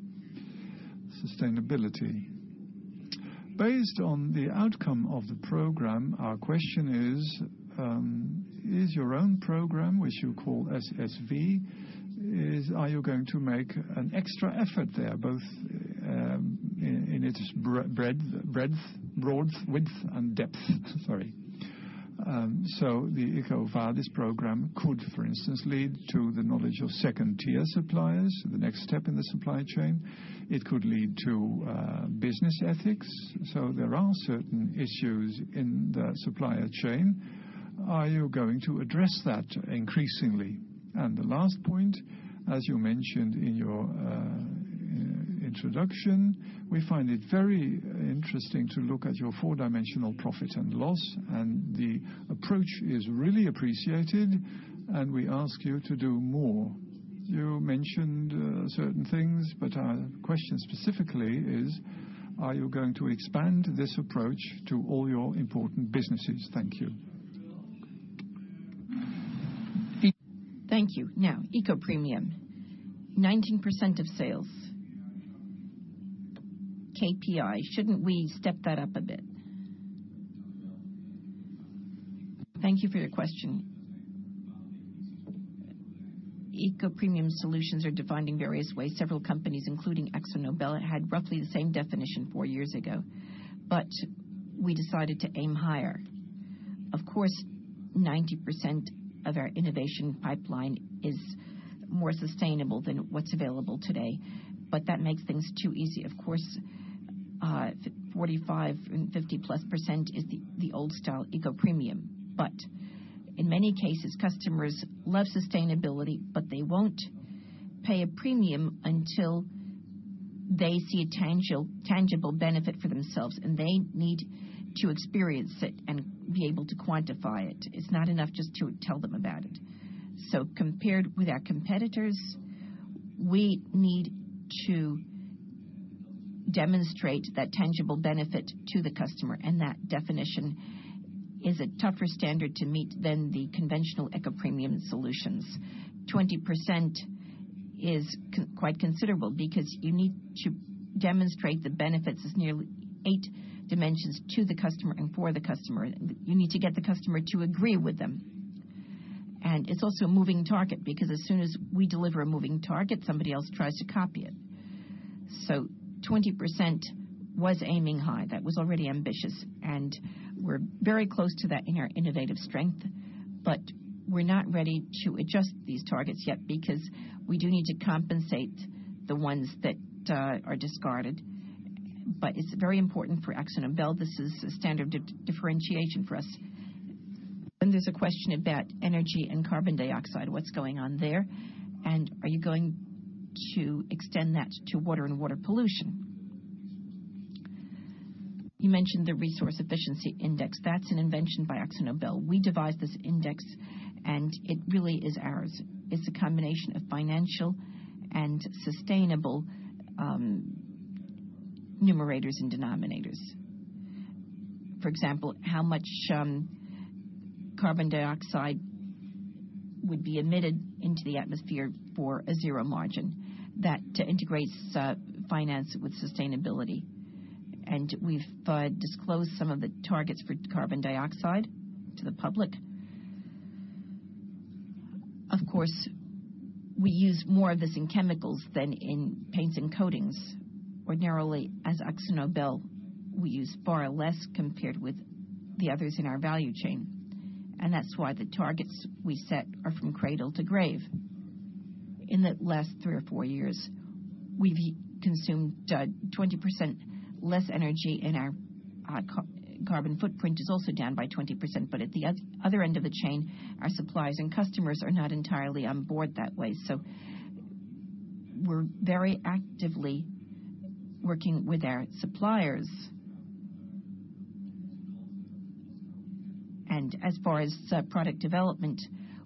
Based on the outcome of the program, our question is your own program, which you call SSV, are you going to make an extra effort there, both in its breadth, width, and depth? Sorry. The EcoVadis program could, for instance, lead to the knowledge of second-tier suppliers, the next step in the supply chain. It could lead to business ethics. There are certain issues in the supplier chain. Are you going to address that increasingly? The last point, as you mentioned in your introduction, we find it very interesting to look at your four-dimensional profit and loss, and the approach is really appreciated, and we ask you to do more. You mentioned certain things, our question specifically is, are you going to expand this approach to all your important businesses? Thank you. Thank you. Now, Eco-premium. 19% of sales. KPI. Shouldn't we step that up a bit? Thank you for your question. Eco-premium solutions are defined in various ways. Several companies, including Akzo Nobel, had roughly the same definition four years ago. We decided to aim higher. Of course, 90% of our innovation pipeline is more sustainable than what's available today. That makes things too easy. Of course, 45% and 50-plus% is the old style Eco-premium. In many cases, customers love sustainability, but they won't pay a premium until they see a tangible benefit for themselves, and they need to experience it and be able to quantify it. It's not enough just to tell them about it. Compared with our competitors, we need to demonstrate that tangible benefit to the customer, and that definition is a tougher standard to meet than the conventional Eco-premium solutions. 20% is quite considerable because you need to demonstrate the benefits as nearly eight dimensions to the customer and for the customer. You need to get the customer to agree with them. It's also a moving target because as soon as we deliver a moving target, somebody else tries to copy it. 20% was aiming high. That was already ambitious, and we're very close to that in our innovative strength. We're not ready to adjust these targets yet because we do need to compensate the ones that are discarded. It's very important for Akzo Nobel. This is a standard differentiation for us. There's a question about energy and carbon dioxide, what's going on there, and are you going to extend that to water and water pollution? You mentioned the Resource Efficiency Index. That's an invention by Akzo Nobel. We devised this index, and it really is ours. It's a combination of financial and sustainable numerators and denominators. For example, how much carbon dioxide would be emitted into the atmosphere for a zero margin. That integrates finance with sustainability. We've disclosed some of the targets for carbon dioxide to the public. Of course, we use more of this in chemicals than in paints and coatings. Ordinarily, as Akzo Nobel, we use far less compared with the others in our value chain, and that's why the targets we set are from cradle to grave. In the last three or four years, we've consumed 20% less energy, and our carbon footprint is also down by 20%, but at the other end of the chain, our suppliers and customers are not entirely on board that way. We're very actively working with our suppliers. As far as product development,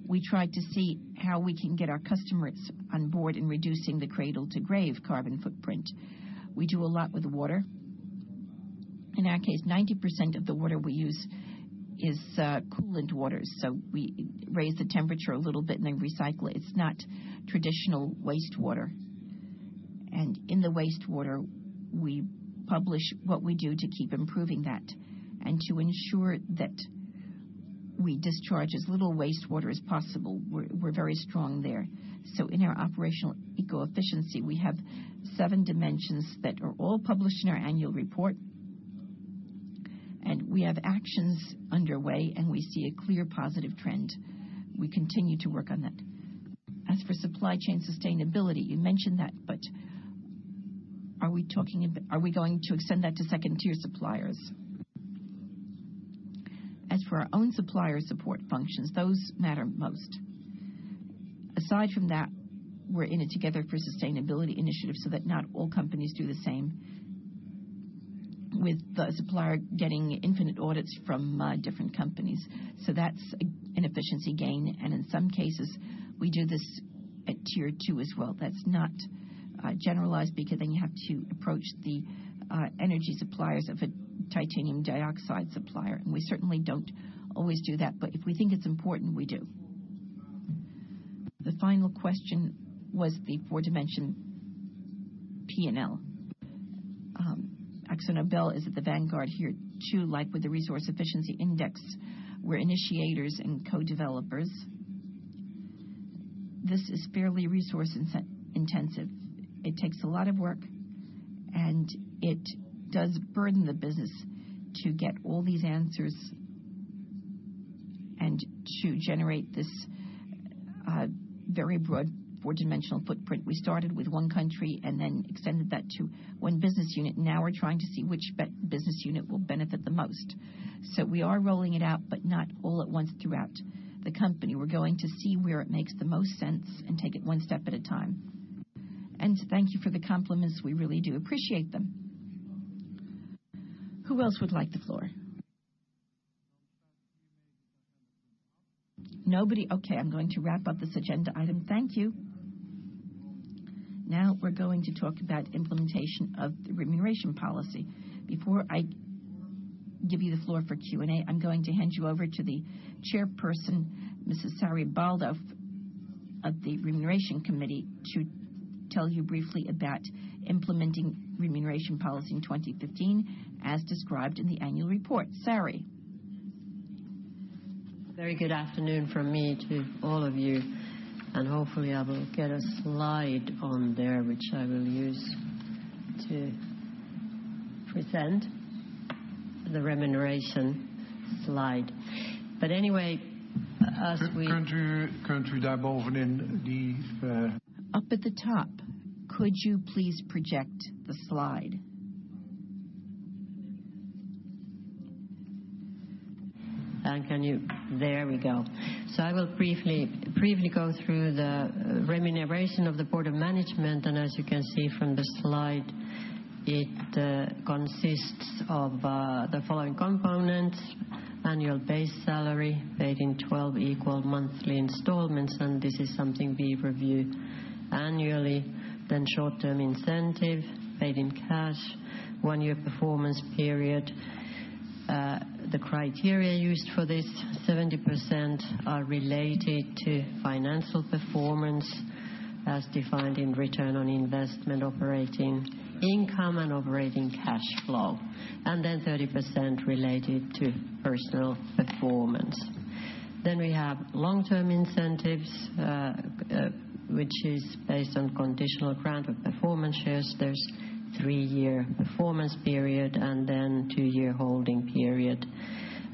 we try to see how we can get our customers on board in reducing the cradle-to-grave carbon footprint. We do a lot with water. In our case, 90% of the water we use is coolant water. We raise the temperature a little bit and then recycle it. It's not traditional wastewater. In the wastewater, we publish what we do to keep improving that and to ensure that we discharge as little wastewater as possible. We're very strong there. In our operational eco-efficiency, we have seven dimensions that are all published in our annual report, and we have actions underway, and we see a clear positive trend. We continue to work on that. As for supply chain sustainability, you mentioned that, but are we going to extend that to second-tier suppliers? As for our own supplier support functions, those matter most. Aside from that, we're in it together for sustainability initiatives so that not all companies do the same with the supplier getting infinite audits from different companies. That's an efficiency gain, and in some cases, we do this at tier 2 as well. That's not generalized because then you have to approach the energy suppliers of a titanium dioxide supplier. We certainly don't always do that, but if we think it's important, we do. The final question was the four-dimension P&L. Akzo Nobel is at the vanguard here, too, like with the Resource Efficiency Index. We're initiators and co-developers. This is fairly resource intensive. It takes a lot of work, and it does burden the business to get all these answers and to generate this very broad four-dimensional footprint. We started with one country and then extended that to one business unit. Now we're trying to see which business unit will benefit the most. We are rolling it out, but not all at once throughout the company. We're going to see where it makes the most sense and take it one step at a time. Thank you for the compliments. We really do appreciate them. Who else would like the floor? Nobody? I'm going to wrap up this agenda item. Thank you. Now we're going to talk about implementation of the remuneration policy. Before I give you the floor for Q&A, I'm going to hand you over to the chairperson, Mrs. Sari Baldauf of the Remuneration Committee, to tell you briefly about implementing remuneration policy in 2015 as described in the annual report. Sari. Very good afternoon from me to all of you, Hopefully, I will get a slide on there, which I will use to present the remuneration slide. Anyway, as we- Can't you dive over in the, Up at the top. Could you please project the slide? There we go. I will briefly go through the remuneration of the board of management, As you can see from the slide, it consists of the following components: annual base salary paid in 12 equal monthly installments, This is something we review annually. Short-term incentive paid in cash, one-year performance period. The criteria used for this, 70% are related to financial performance as defined in return on investment, operating income, and operating cash flow, 30% related to personal performance. We have long-term incentives, which is based on conditional grant of performance shares. There's a three-year performance period and then a two-year holding period.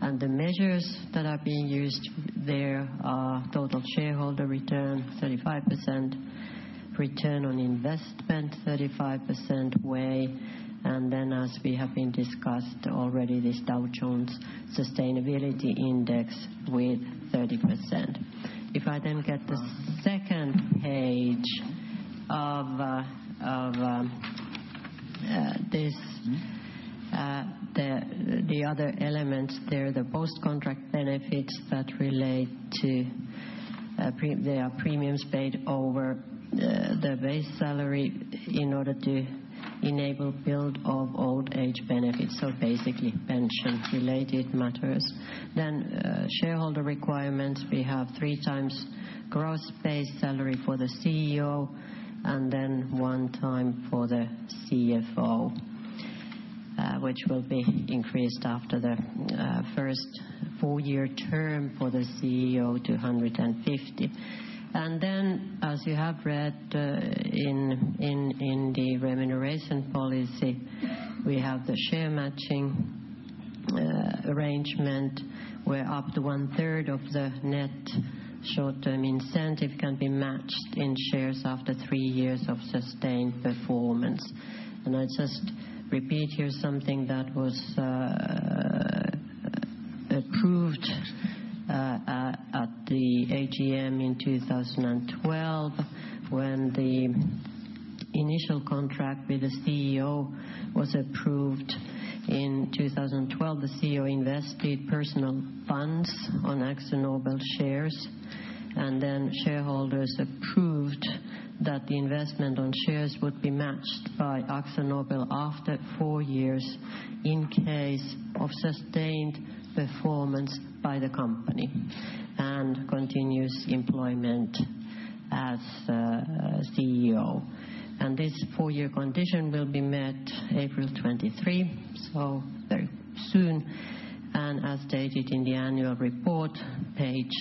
The measures that are being used there are total shareholder return, 35%, return on investment 35% way, as we have discussed already, this Dow Jones Sustainability Index with 30%. If I get the second page of this. The other elements there, the post-contract benefits that relate to premiums paid over the base salary in order to enable build of old-age benefits. Basically, pension-related matters. Shareholder requirements. We have three times gross base salary for the CEO and one time for the CFO. Which will be increased after the first four-year term for the CEO to 150. As you have read in the remuneration policy, we have the share matching arrangement where up to one third of the net short-term incentive can be matched in shares after three years of sustained performance. I'll just repeat here something that was approved at the AGM in 2012, when the initial contract with the CEO was approved in 2012. The CEO invested personal funds on Akzo Nobel shares, shareholders approved that the investment on shares would be matched by Akzo Nobel after four years in case of sustained performance by the company and continuous employment as CEO. This four-year condition will be met April 23, very soon. As stated in the annual report, page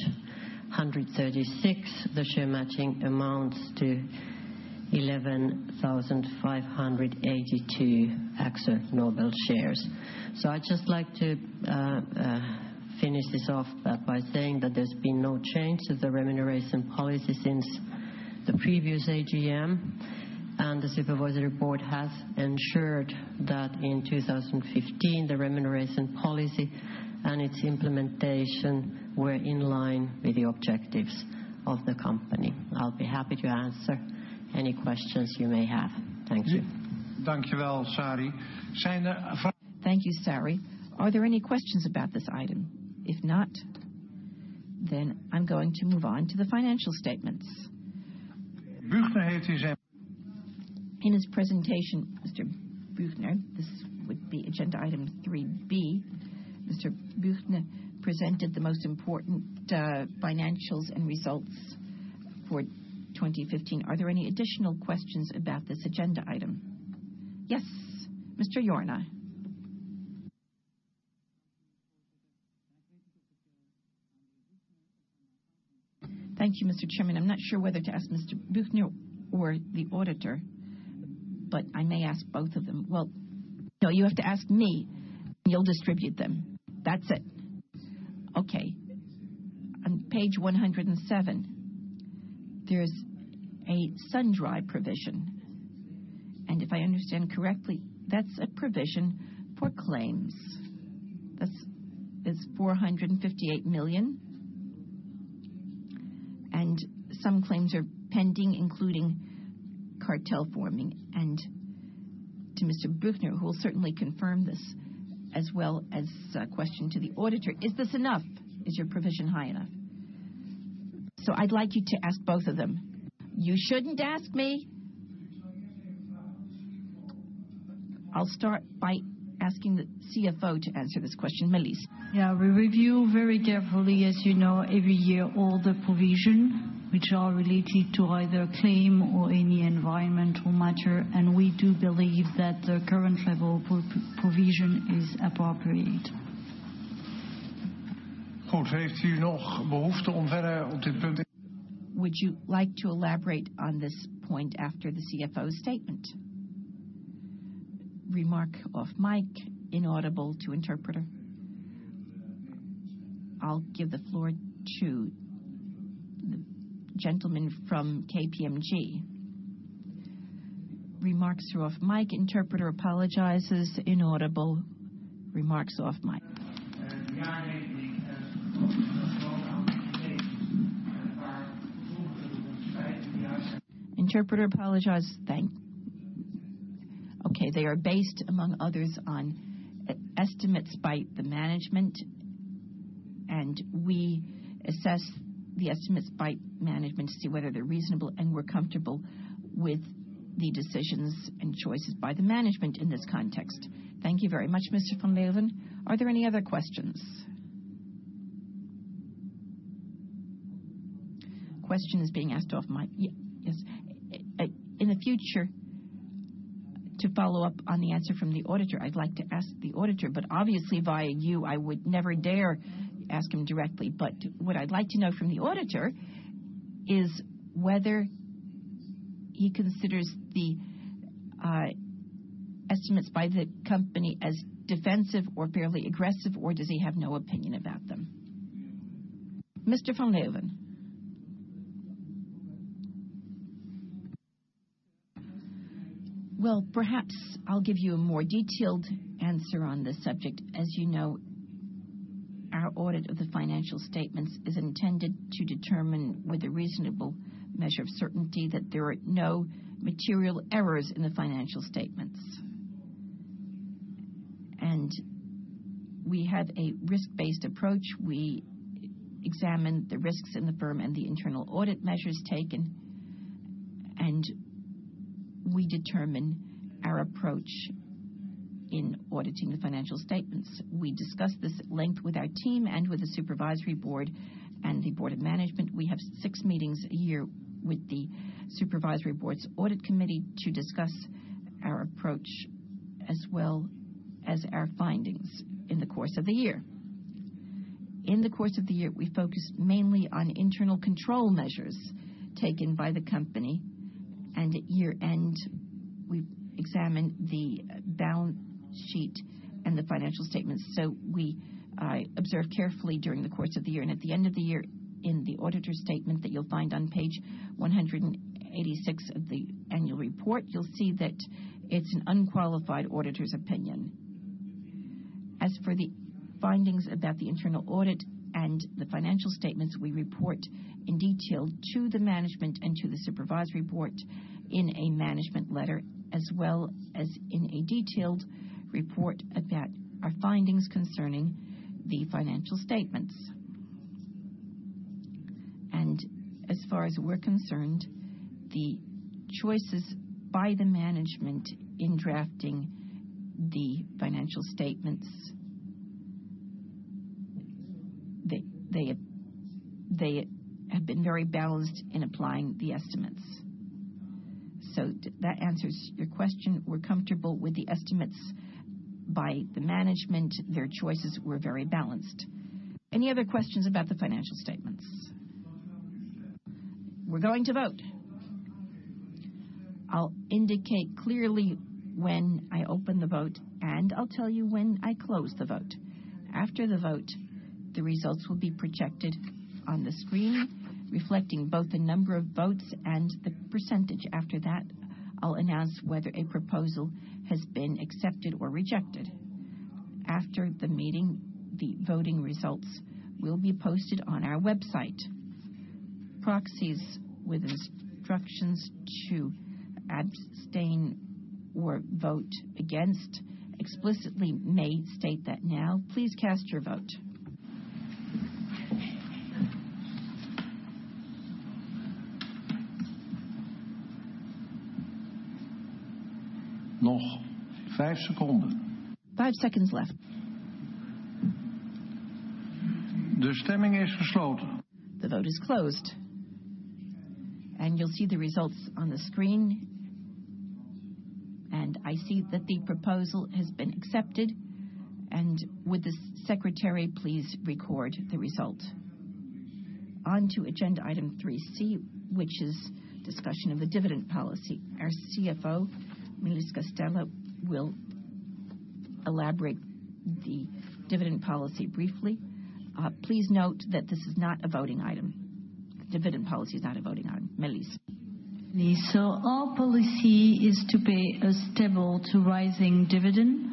136, the share matching amounts to 11,582 Akzo Nobel shares. I'd just like to finish this off by saying that there's been no change to the remuneration policy since the previous AGM, and the Supervisory Board has ensured that in 2015, the remuneration policy and its implementation were in line with the objectives of the company. I'll be happy to answer any questions you may have. Thank you. Thank you, Sari. Are there any questions about this item? If not, I'm going to move on to the financial statements. In his presentation, Mr. Büchner, this would be agenda item 3B. Mr. Büchner presented the most important financials and results for 2015. Are there any additional questions about this agenda item? Yes, Mr. Jorna. Thank you, Mr. Chairman. I'm not sure whether to ask Mr. Büchner or the auditor, I may ask both of them. Well, no, you have to ask me. You'll distribute them. That's it. Okay. On page 107, there's a sundry provision, if I understand correctly, that's a provision for claims. That's 458 million, some claims are pending, including cartel forming. To Mr. Büchner, who will certainly confirm this, as well as a question to the auditor, is this enough? Is your provision high enough? I'd like you to ask both of them. You shouldn't ask me. I'll start by asking the CFO to answer this question. Maëlys. Yeah, we review very carefully as you know, every year, all the provision, which are related to either claim or any environmental matter. We do believe that the current level of provision is appropriate. Would you like to elaborate on this point after the CFO's statement? I'll give the floor to the gentleman from KPMG. Thank you. Okay. They are based among others on estimates by the management. We assess the estimates by management to see whether they're reasonable. We're comfortable with the decisions and choices by the management in this context. Thank you very much, Mr. Van Leeuwen. Are there any other questions? Yes. In the future, to follow up on the answer from the auditor, I'd like to ask the auditor, obviously via you, I would never dare ask him directly. What I'd like to know from the auditor is whether he considers the estimates by the company as defensive or fairly aggressive, or does he have no opinion about them? Mr. Van Leeuwen. Well, perhaps I'll give you a more detailed answer on this subject. As you know, our audit of the financial statements is intended to determine with a reasonable measure of certainty that there are no material errors in the financial statements. We have a risk-based approach. We examine the risks in the firm and the internal audit measures taken. We determine our approach in auditing Financial statements. We discussed this at length with our team and with the Supervisory Board and the Board of Management. We have six meetings a year with the Supervisory Board's Audit Committee to discuss our approach as well as our findings in the course of the year. In the course of the year, we focused mainly on internal control measures taken by the company. At year-end, we examined the balance sheet and the financial statements. We observed carefully during the course of the year. At the end of the year, in the auditor's statement that you'll find on page 186 of the annual report, you'll see that it's an unqualified auditor's opinion. As for the findings about the internal audit and the financial statements, we report in detail to the management and to the Supervisory Board in a management letter as well as in a detailed report about our findings concerning the financial statements. As far as we're concerned, the choices by the management in drafting the financial statements, they have been very balanced in applying the estimates. Did that answer your question? We're comfortable with the estimates by the management. Their choices were very balanced. Any other questions about the financial statements? We're going to vote. I'll indicate clearly when I open the vote, and I'll tell you when I close the vote. After the vote, the results will be projected on the screen, reflecting both the number of votes and the percentage. I'll announce whether a proposal has been accepted or rejected. After the meeting, the voting results will be posted on our website. Proxies with instructions to abstain or vote against explicitly may state that now. Please cast your vote. Five seconds left. The vote is closed. You'll see the results on the screen. I see that the proposal has been accepted. Would the secretary please record the result? On to agenda item 3C, which is discussion of the dividend policy. Our CFO, Maëlys Castella, will elaborate the dividend policy briefly. Please note that this is not a voting item. Dividend policy is not a voting item. Maëlys. Our policy is to pay a stable to rising dividend,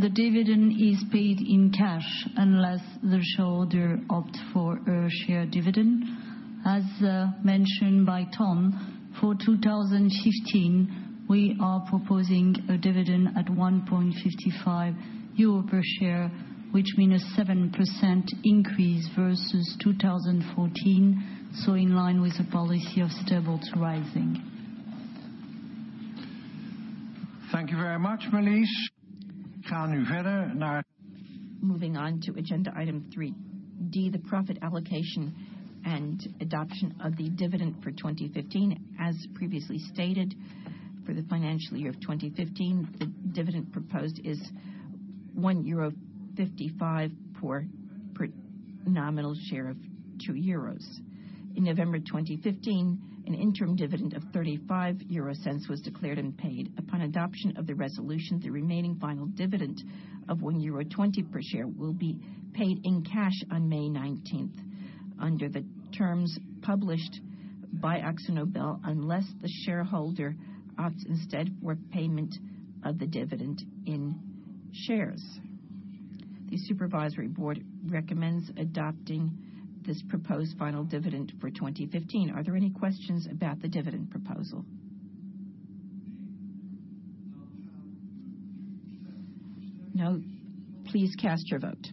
the dividend is paid in cash unless the shareholder opts for a share dividend. As mentioned by Ton, for 2015, we are proposing a dividend at 1.55 euro per share, which means a 7% increase versus 2014, in line with the policy of stable to rising. Thank you very much, Maëlys. Moving on to agenda item 3D, the profit allocation and adoption of the dividend for 2015. As previously stated, for the financial year of 2015, the dividend proposed is 1.55 euro per nominal share of 2 euros. In November 2015, an interim dividend of 0.35 was declared and paid. Upon adoption of the resolution, the remaining final dividend of 1.20 euro per share will be paid in cash on May 19th, under the terms published by Akzo Nobel, unless the shareholder opts instead for payment of the dividend in shares. The supervisory board recommends adopting this proposed final dividend for 2015. Are there any questions about the dividend proposal? No. Please cast your vote.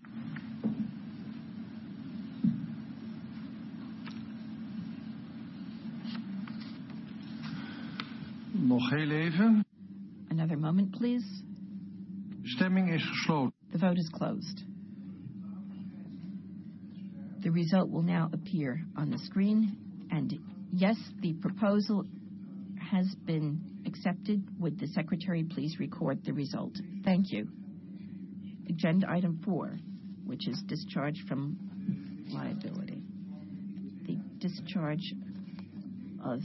Another moment, please. The vote is closed. The vote is closed. The result will now appear on the screen. Yes, the proposal has been accepted. Would the secretary please record the result? Thank you. Agenda item four, which is discharge from liability. The discharge of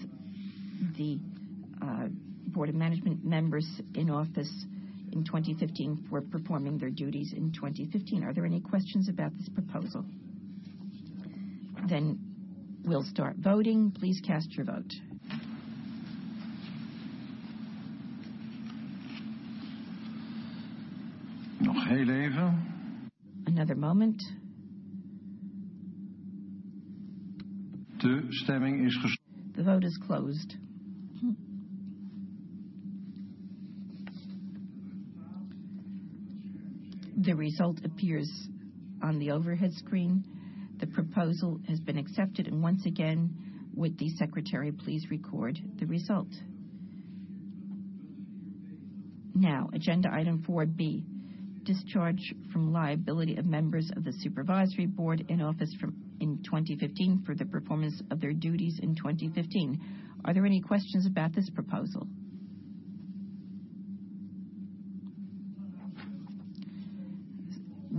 the board of management members in office in 2015 for performing their duties in 2015. Are there any questions about this proposal? We'll start voting. Please cast your vote. Another moment. The vote is closed. The vote is closed. The result appears on the overhead screen. The proposal has been accepted. Once again, would the secretary please record the result? Agenda item 4B, discharge from liability of members of the Supervisory Board in office in 2015 for the performance of their duties in 2015. Are there any questions about this proposal?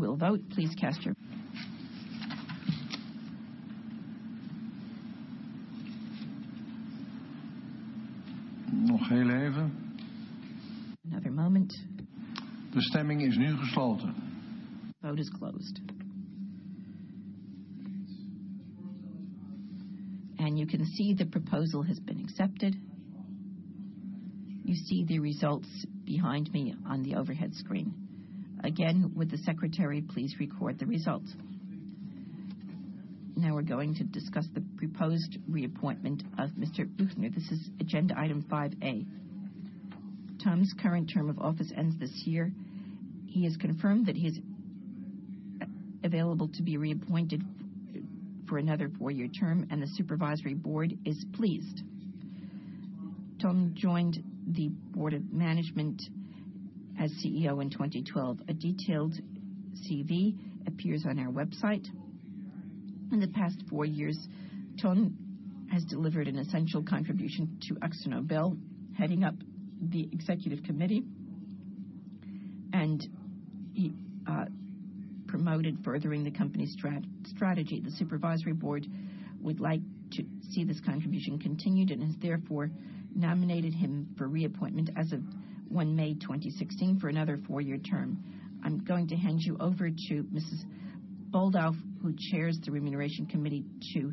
We'll vote. Please cast your. Another moment. Vote is closed. You can see the proposal has been accepted. You see the results behind me on the overhead screen. Again, would the secretary please record the results? We're going to discuss the proposed reappointment of Mr. Büchner. This is agenda item 5A. Ton's current term of office ends this year. He has confirmed that he's available to be reappointed for another four-year term, and the Supervisory Board is pleased. Ton joined the Board of Management as CEO in 2012. A detailed CV appears on our website. In the past four years, Ton has delivered an essential contribution to Akzo Nobel, heading up the Executive Committee, and he promoted furthering the company's strategy. The Supervisory Board would like to see this contribution continued and has therefore nominated him for reappointment as of 1 May 2016 for another four-year term. I'm going to hand you over to Mrs. Baldauf, who chairs the Remuneration Committee, to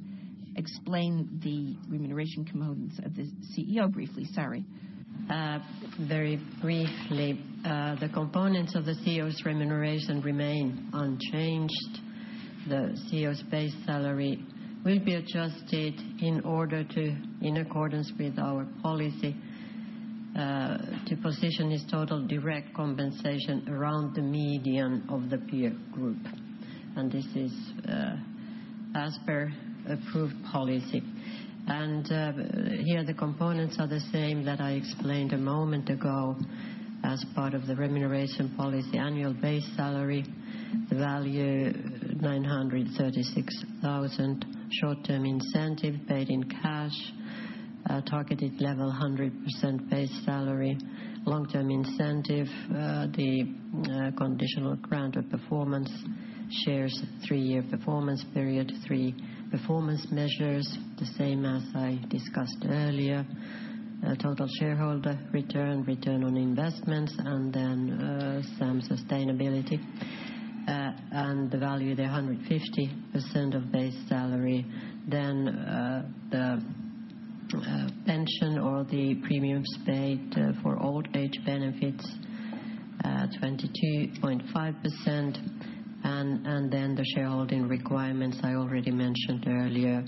explain the remuneration components of the CEO briefly. Sorry. Very briefly. The components of the CEO's remuneration remain unchanged. The CEO's base salary will be adjusted in accordance with our policy, to position his total direct compensation around the median of the peer group. This is as per approved policy. Here the components are the same that I explained a moment ago as part of the remuneration policy. Annual base salary, the value 936,000. Short-term incentive paid in cash, targeted level 100% base salary. Long-term incentive, the conditional grant of performance shares, three-year performance period, three performance measures, the same as I discussed earlier. Total shareholder return on investments, and then some sustainability. The value, the 150% of base salary. Then the pension or the premiums paid for old-age benefits, 22.5%. Then the shareholding requirements I already mentioned earlier,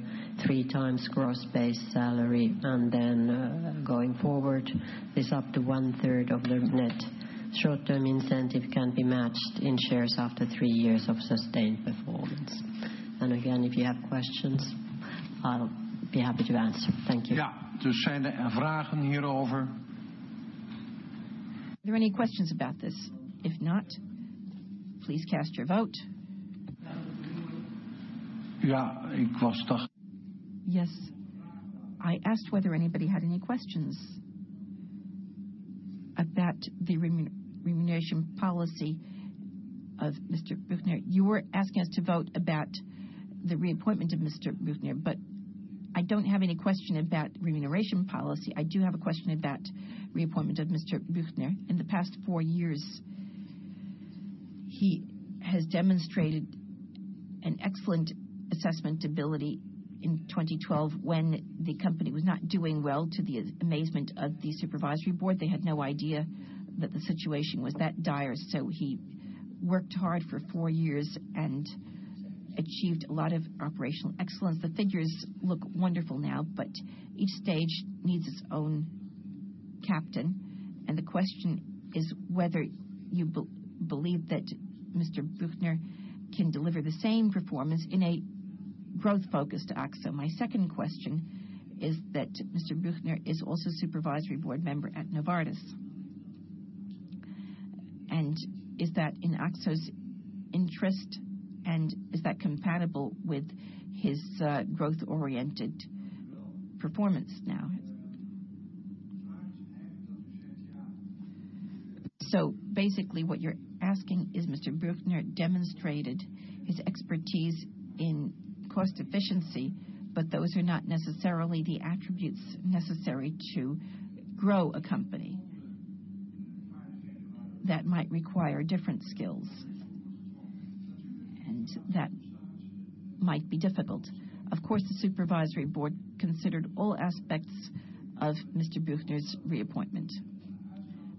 three times gross base salary. going forward is up to one-third of the net short-term incentive can be matched in shares after three years of sustained performance. Again, if you have questions, I'll be happy to answer. Thank you. Are there any questions about this? If not, please cast your vote. Yes. I asked whether anybody had any questions about the remuneration policy of Mr. Büchner. You were asking us to vote about the reappointment of Mr. Büchner, but I don't have any question about remuneration policy. I do have a question about reappointment of Mr. Büchner. In the past four years, he has demonstrated an excellent assessment ability. In 2012, when the company was not doing well, to the amazement of the Supervisory Board, they had no idea that the situation was that dire. He worked hard for four years and achieved a lot of operational excellence. The figures look wonderful now, but each stage needs its own captain. The question is whether you believe that Mr. Büchner can deliver the same performance in a growth-focused Akzo. My second question is that Mr. Büchner is also a Supervisory Board member at Novartis. Is that in Akzo's interest, and is that compatible with his growth-oriented performance now? Basically what you're asking is Mr. Büchner demonstrated his expertise in cost efficiency, but those are not necessarily the attributes necessary to grow a company. That might require different skills, and that might be difficult. Of course, the Supervisory Board considered all aspects of Mr. Büchner's reappointment.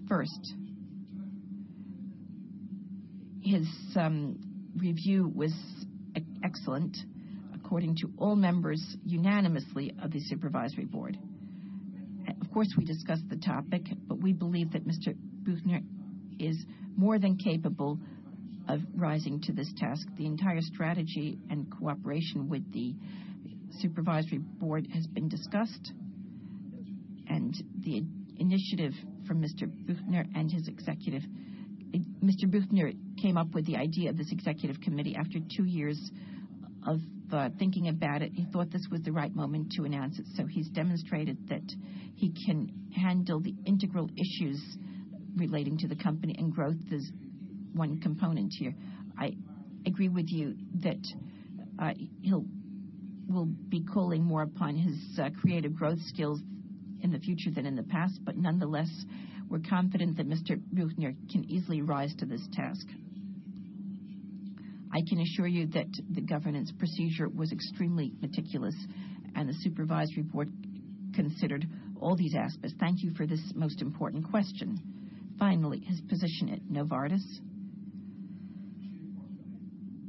First, his review was excellent according to all members unanimously of the Supervisory Board. Of course, we discussed the topic, but we believe that Mr. Büchner is more than capable of rising to this task. The entire strategy and cooperation with the Supervisory Board has been discussed, and the initiative from Mr. Büchner and his executive. Mr. Büchner came up with the idea of this Executive Committee after two years of thinking about it. He thought this was the right moment to announce it. He's demonstrated that he can handle the integral issues relating to the company, and growth is one component here. I agree with you that we'll be calling more upon his creative growth skills in the future than in the past, but nonetheless, we're confident that Mr. Büchner can easily rise to this task. I can assure you that the governance procedure was extremely meticulous and the Supervisory Board considered all these aspects. Thank you for this most important question. Finally, his position at Novartis.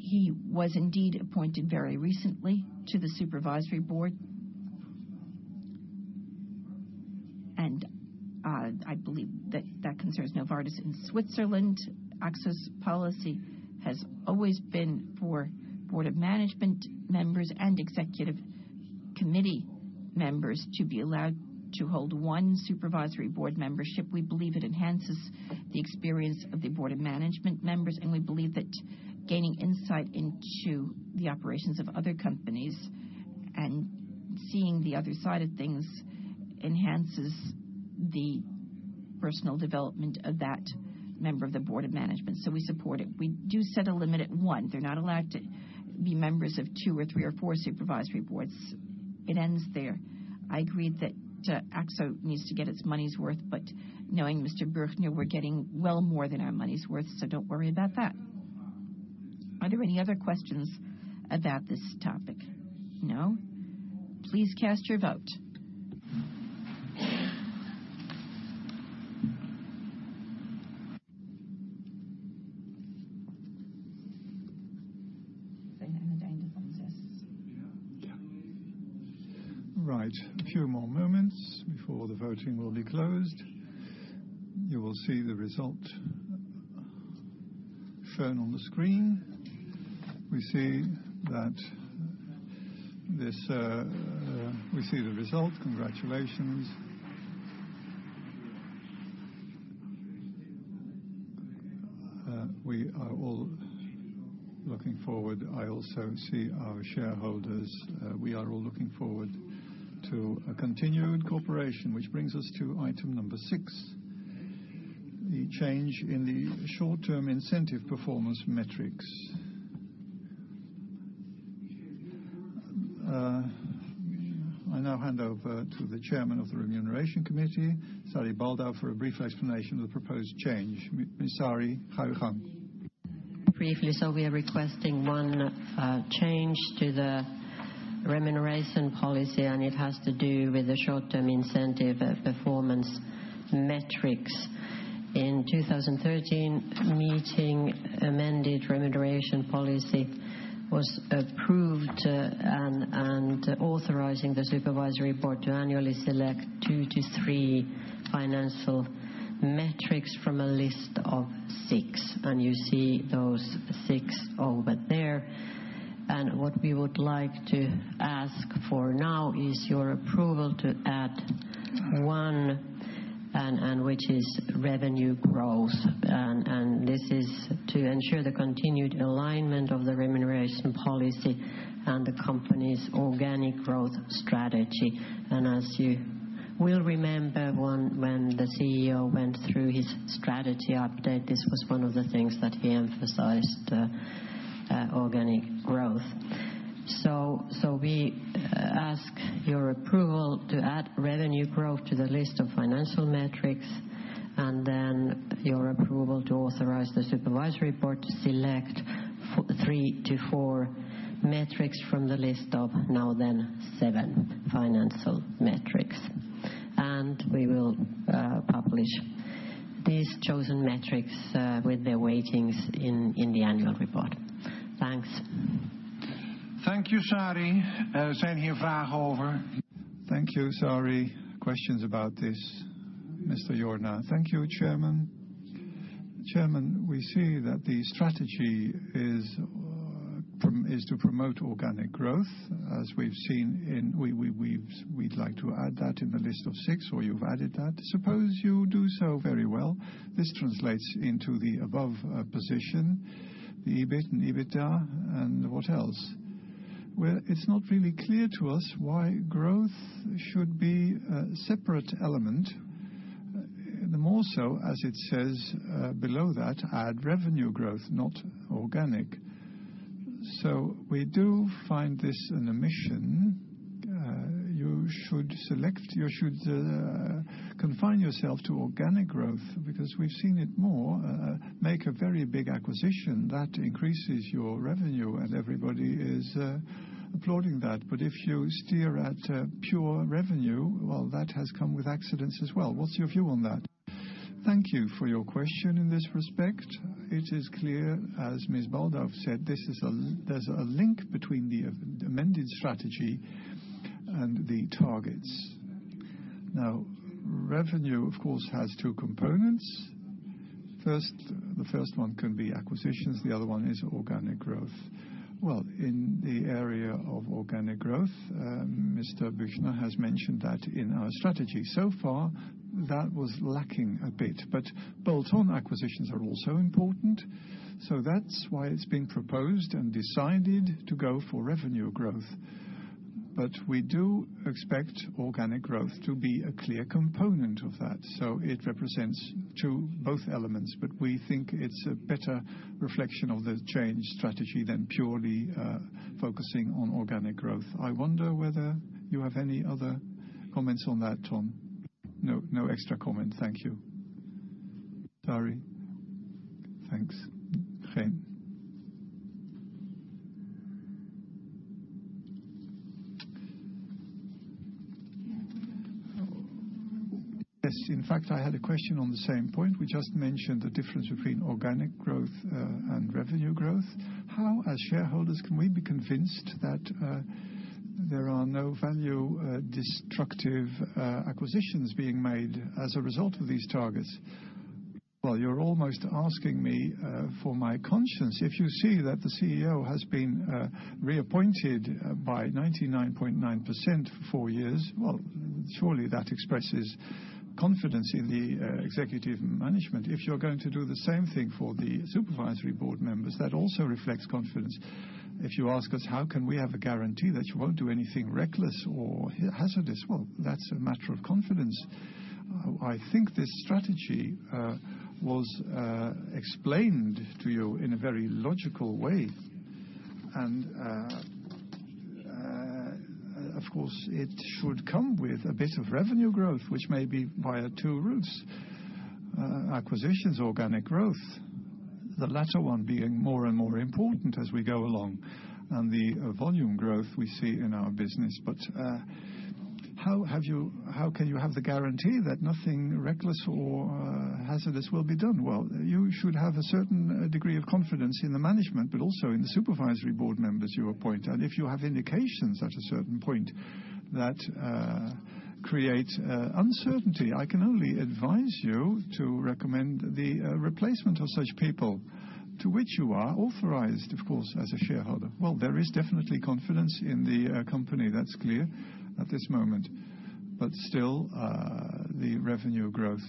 He was indeed appointed very recently to the Supervisory Board. I believe that concerns Novartis in Switzerland. Akzo's policy has always been for board of management members and executive committee members to be allowed to hold one supervisory board membership. We believe it enhances the experience of the board of management members, and we believe that gaining insight into the operations of other companies and seeing the other side of things enhances the personal development of that member of the board of management. We support it. We do set a limit at one. They're not allowed to be members of two or three or four supervisory boards. It ends there. I agreed that Akzo Nobel needs to get its money's worth, but knowing Mr. Büchner, we're getting well more than our money's worth, so don't worry about that. Are there any other questions about this topic? No. Please cast your vote. A few more moments before the voting will be closed. You will see the result shown on the screen. We see the result. Congratulations. We are all looking forward. I also see our shareholders. We are all looking forward to a continued cooperation, which brings us to item number six, the change in the short-term incentive performance metrics. I now hand over to the chairman of the Remuneration Committee, Sari Baldauf, for a brief explanation of the proposed change. Ms. Sari, We are requesting one change to the remuneration policy, and it has to do with the short-term incentive performance metrics. In 2013 meeting, amended remuneration policy was approved and authorizing the supervisory board to annually select two to three financial metrics from a list of six. And you see those six over there. And what we would like to ask for now is your approval to add one, which is revenue growth. This is to ensure the continued alignment of the remuneration policy and the company's organic growth strategy. And as you will remember, when the CEO went through his strategy update, this was one of the things that he emphasized, organic growth. We ask your approval to add revenue growth to the list of financial metrics, and then your approval to authorize the supervisory board to select three to four metrics from the list of now then seven financial metrics. And we will publish these chosen metrics with their weightings in the annual report. Thanks. Thank you, Sari. Thank you, Sari. Questions about this? Mr. Joorna. Thank you, Chairman. Chairman, we see that the strategy is to promote organic growth, as we've seen. We'd like to add that in the list of six, you've added that. Suppose you do so very well. This translates into the above position, the EBIT and EBITDA. What else? It's not really clear to us why growth should be a separate element. The more so, as it says below that, add revenue growth, not organic. We do find this an omission. You should confine yourself to organic growth because we've seen it more make a very big acquisition that increases your revenue and everybody is applauding that. If you steer at pure revenue, that has come with accidents as well. What's your view on that? Thank you for your question in this respect. It is clear, as Ms. Baldauf said, there's a link between the amended strategy and the targets. Revenue, of course, has two components. First, the first one can be acquisitions, the other one is organic growth. In the area of organic growth, Mr. Büchner has mentioned that in our strategy so far, that was lacking a bit, but bolt-on acquisitions are also important. That's why it's been proposed and decided to go for revenue growth. We do expect organic growth to be a clear component of that. It represents two, both elements. We think it's a better reflection of the change strategy than purely focusing on organic growth. I wonder whether you have any other comments on that, Tom. No, no extra comment. Thank you. Sari? Thanks. Chen. Yes, in fact, I had a question on the same point. We just mentioned the difference between organic growth and revenue growth. How, as shareholders, can we be convinced that there are no value-destructive acquisitions being made as a result of these targets? Well, you're almost asking me for my conscience. If you see that the CEO has been reappointed by 99.9% for years, well, surely that expresses confidence in the executive management. If you're going to do the same thing for the supervisory board members, that also reflects confidence. If you ask us, how can we have a guarantee that you won't do anything reckless or hazardous? Well, that's a matter of confidence. I think this strategy was explained to you in a very logical way, of course, it should come with a bit of revenue growth, which may be via two routes, acquisitions, organic growth. The latter one being more and more important as we go along, the volume growth we see in our business. How can you have the guarantee that nothing reckless or hazardous will be done? Well, you should have a certain degree of confidence in the management, but also in the supervisory board members you appoint. If you have indications at a certain point that create uncertainty, I can only advise you to recommend the replacement of such people, to which you are authorized, of course, as a shareholder. Well, there is definitely confidence in the company. That's clear at this moment. Still, the revenue growth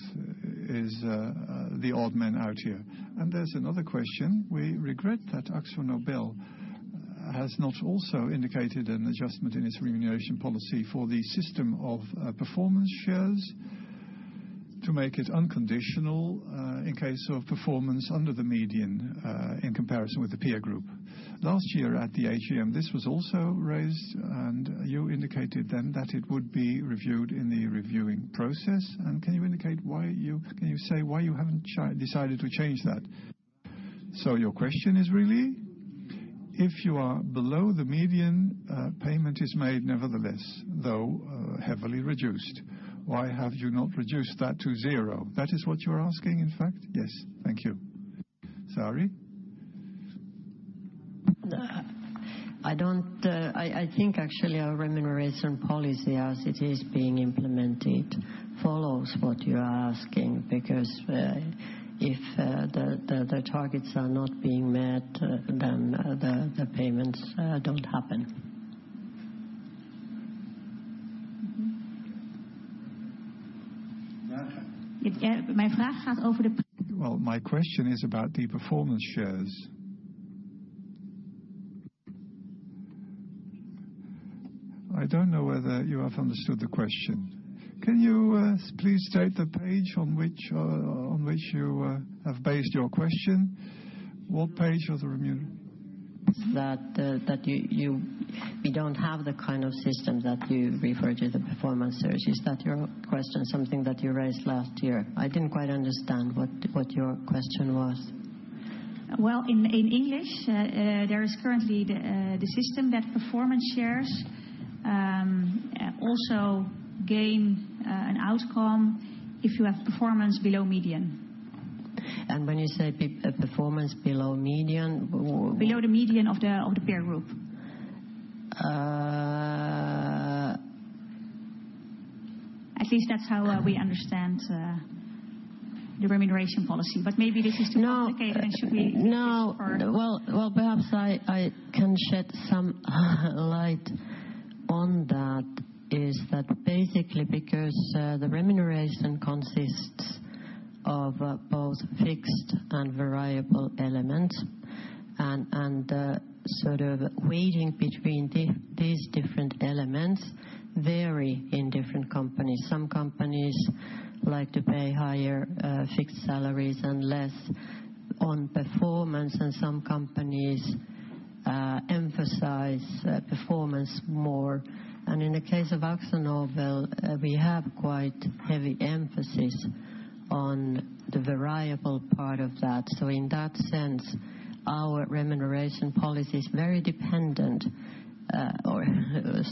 is the odd man out here. There's another question. We regret that Akzo Nobel has not also indicated an adjustment in its remuneration policy for the system of performance shares to make it unconditional, in case of performance under the median, in comparison with the peer group. Last year at the AGM, this was also raised, you indicated then that it would be reviewed in the reviewing process. Can you indicate why you haven't decided to change that? Your question is really, if you are below the median, payment is made nevertheless, though heavily reduced. Why have you not reduced that to zero? That is what you're asking, in fact? Yes. Thank you. Sari? I think actually our remuneration policy as it is being implemented, follows what you are asking because if the targets are not being met, then the payments don't happen. Well, my question is about the performance shares. I don't know whether you have understood the question. Can you please state the page on which you have based your question? What page of the remuneration? You don't have the kind of system that you refer to, the performance shares. Is that your question, something that you raised last year? I didn't quite understand what your question was. Well, in English, there is currently the system that performance shares also gain an outcome if you have performance below median. When you say performance below median? Below the median of the peer group. At least that's how we understand the remuneration policy, maybe this is too complicated and should we leave this for? No. Well, perhaps I can shed some light on that. Is that basically because the remuneration consists of both fixed and variable elements, and the weighting between these different elements vary in different companies. Some companies like to pay higher fixed salaries and less on performance, and some companies emphasize performance more. In the case of Akzo Nobel, we have quite heavy emphasis on the variable part of that. In that sense, our remuneration policy is very dependent or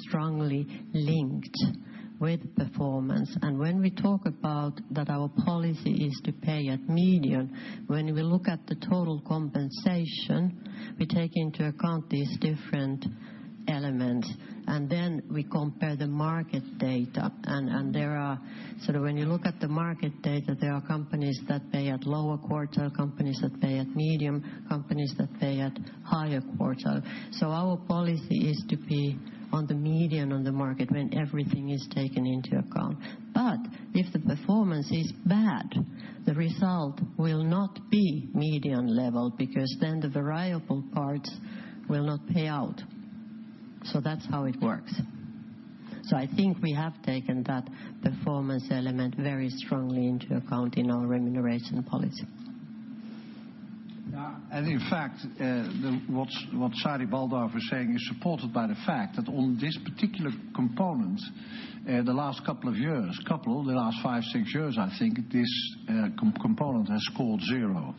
strongly linked with performance. When we talk about that, our policy is to pay at median. When we look at the total compensation, we take into account these different elements, and then we compare the market data. When you look at the market data, there are companies that pay at lower quartile, companies that pay at medium, companies that pay at higher quartile. Our policy is to be on the median on the market when everything is taken into account. If the performance is bad, the result will not be median level because then the variable parts will not pay out. That's how it works. I think we have taken that performance element very strongly into account in our remuneration policy. Yeah. In fact, what Sari Baldauf is saying is supported by the fact that on this particular component, the last couple of years, the last five, six years, I think, this component has scored zero.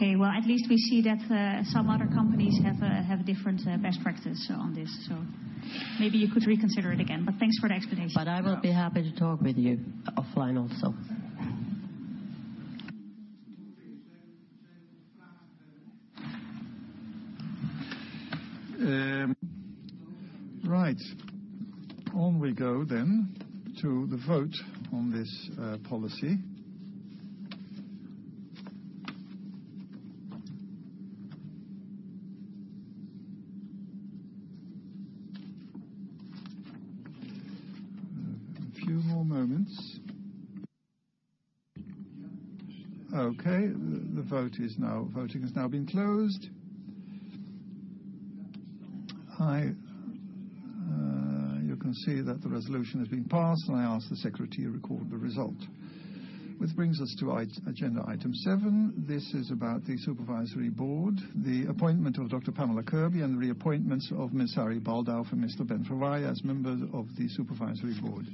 Yes? Okay. Well, at least we see that some other companies have different best practices on this. Maybe you could reconsider it again. Thanks for the explanation. I will be happy to talk with you offline also. Right. On we go then to the vote on this policy. A few more moments. Okay. Voting has now been closed. You can see that the resolution has been passed, and I ask the secretary to record the result. Which brings us to our agenda item seven. This is about the supervisory board, the appointment of Dr. Pamela Kirby and the reappointments of Ms. Sari Baldauf and Mr. Ben Verwaay as members of the supervisory board.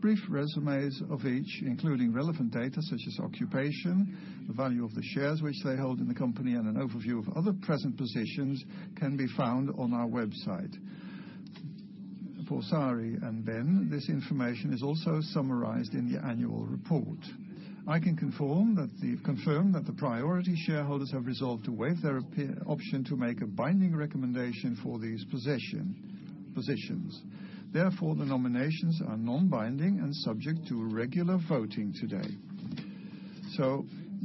Brief resumes of each, including relevant data such as occupation, the value of the shares which they hold in the company, and an overview of other present positions, can be found on our website. For Sari and Ben, this information is also summarized in the annual report. I can confirm that the priority shareholders have resolved to waive their option to make a binding recommendation for these positions. Therefore, the nominations are non-binding and subject to regular voting today.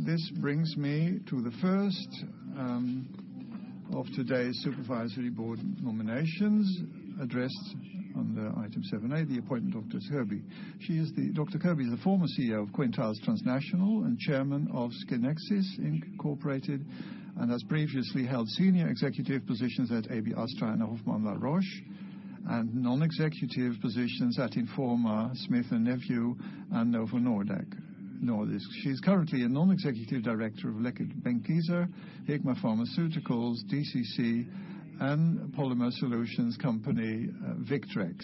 This brings me to the first of today's supervisory board nominations addressed under item 7A, the appointment of Dr. Kirby. Dr. Kirby is the former CEO of Quintiles Transnational and chairman of Scynexis, Inc., and has previously held senior executive positions at Astra AB and Hoffmann-La Roche, and non-executive positions at Informa, Smith & Nephew, and Novo Nordisk. She is currently a non-executive director of Reckitt Benckiser, Hikma Pharmaceuticals, DCC, and polymer solutions company Victrex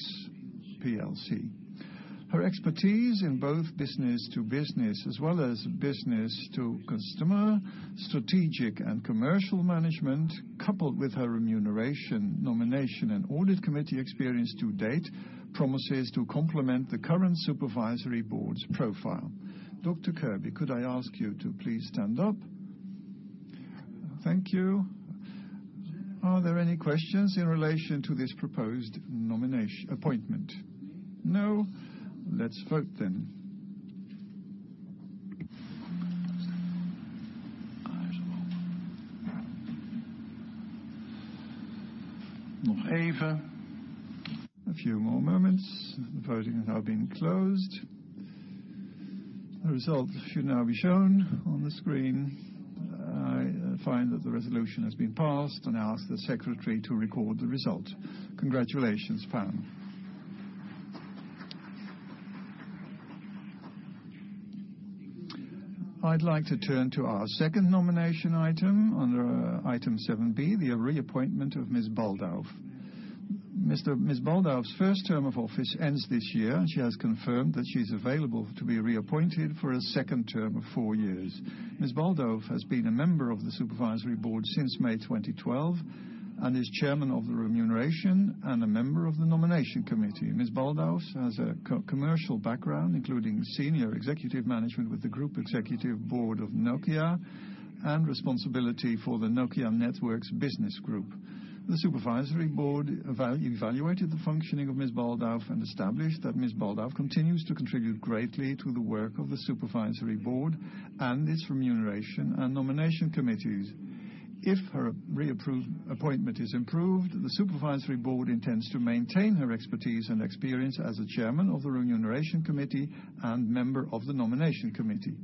plc. Her expertise in both business-to-business as well as business-to-customer, strategic and commercial management, coupled with her remuneration, nomination, and audit committee experience to date, promises to complement the current supervisory board's profile. Dr. Kirby, could I ask you to please stand up? Thank you. Are there any questions in relation to this proposed appointment? No? Let's vote then. Aye's are open. A few more moments. The voting has now been closed. The result should now be shown on the screen. I find that the resolution has been passed, and I ask the secretary to record the result. Congratulations, Pam. I'd like to turn to our second nomination item under item 7B, the reappointment of Ms. Baldauf. Ms. Baldauf's first term of office ends this year. She has confirmed that she's available to be reappointed for a second term of four years. Ms. Baldauf has been a member of the supervisory board since May 2012 and is chairman of the remuneration and a member of the nomination committee. Ms. Baldauf has a commercial background, including senior executive management with the group executive board of Nokia and responsibility for the Nokia Networks business group. The supervisory board evaluated the functioning of Ms. Baldauf and established that Ms. Baldauf continues to contribute greatly to the work of the Supervisory Board and its Remuneration and Nomination Committees. If her reappointment is approved, the Supervisory Board intends to maintain her expertise and experience as a Chairman of the Remuneration Committee and member of the Nomination Committee.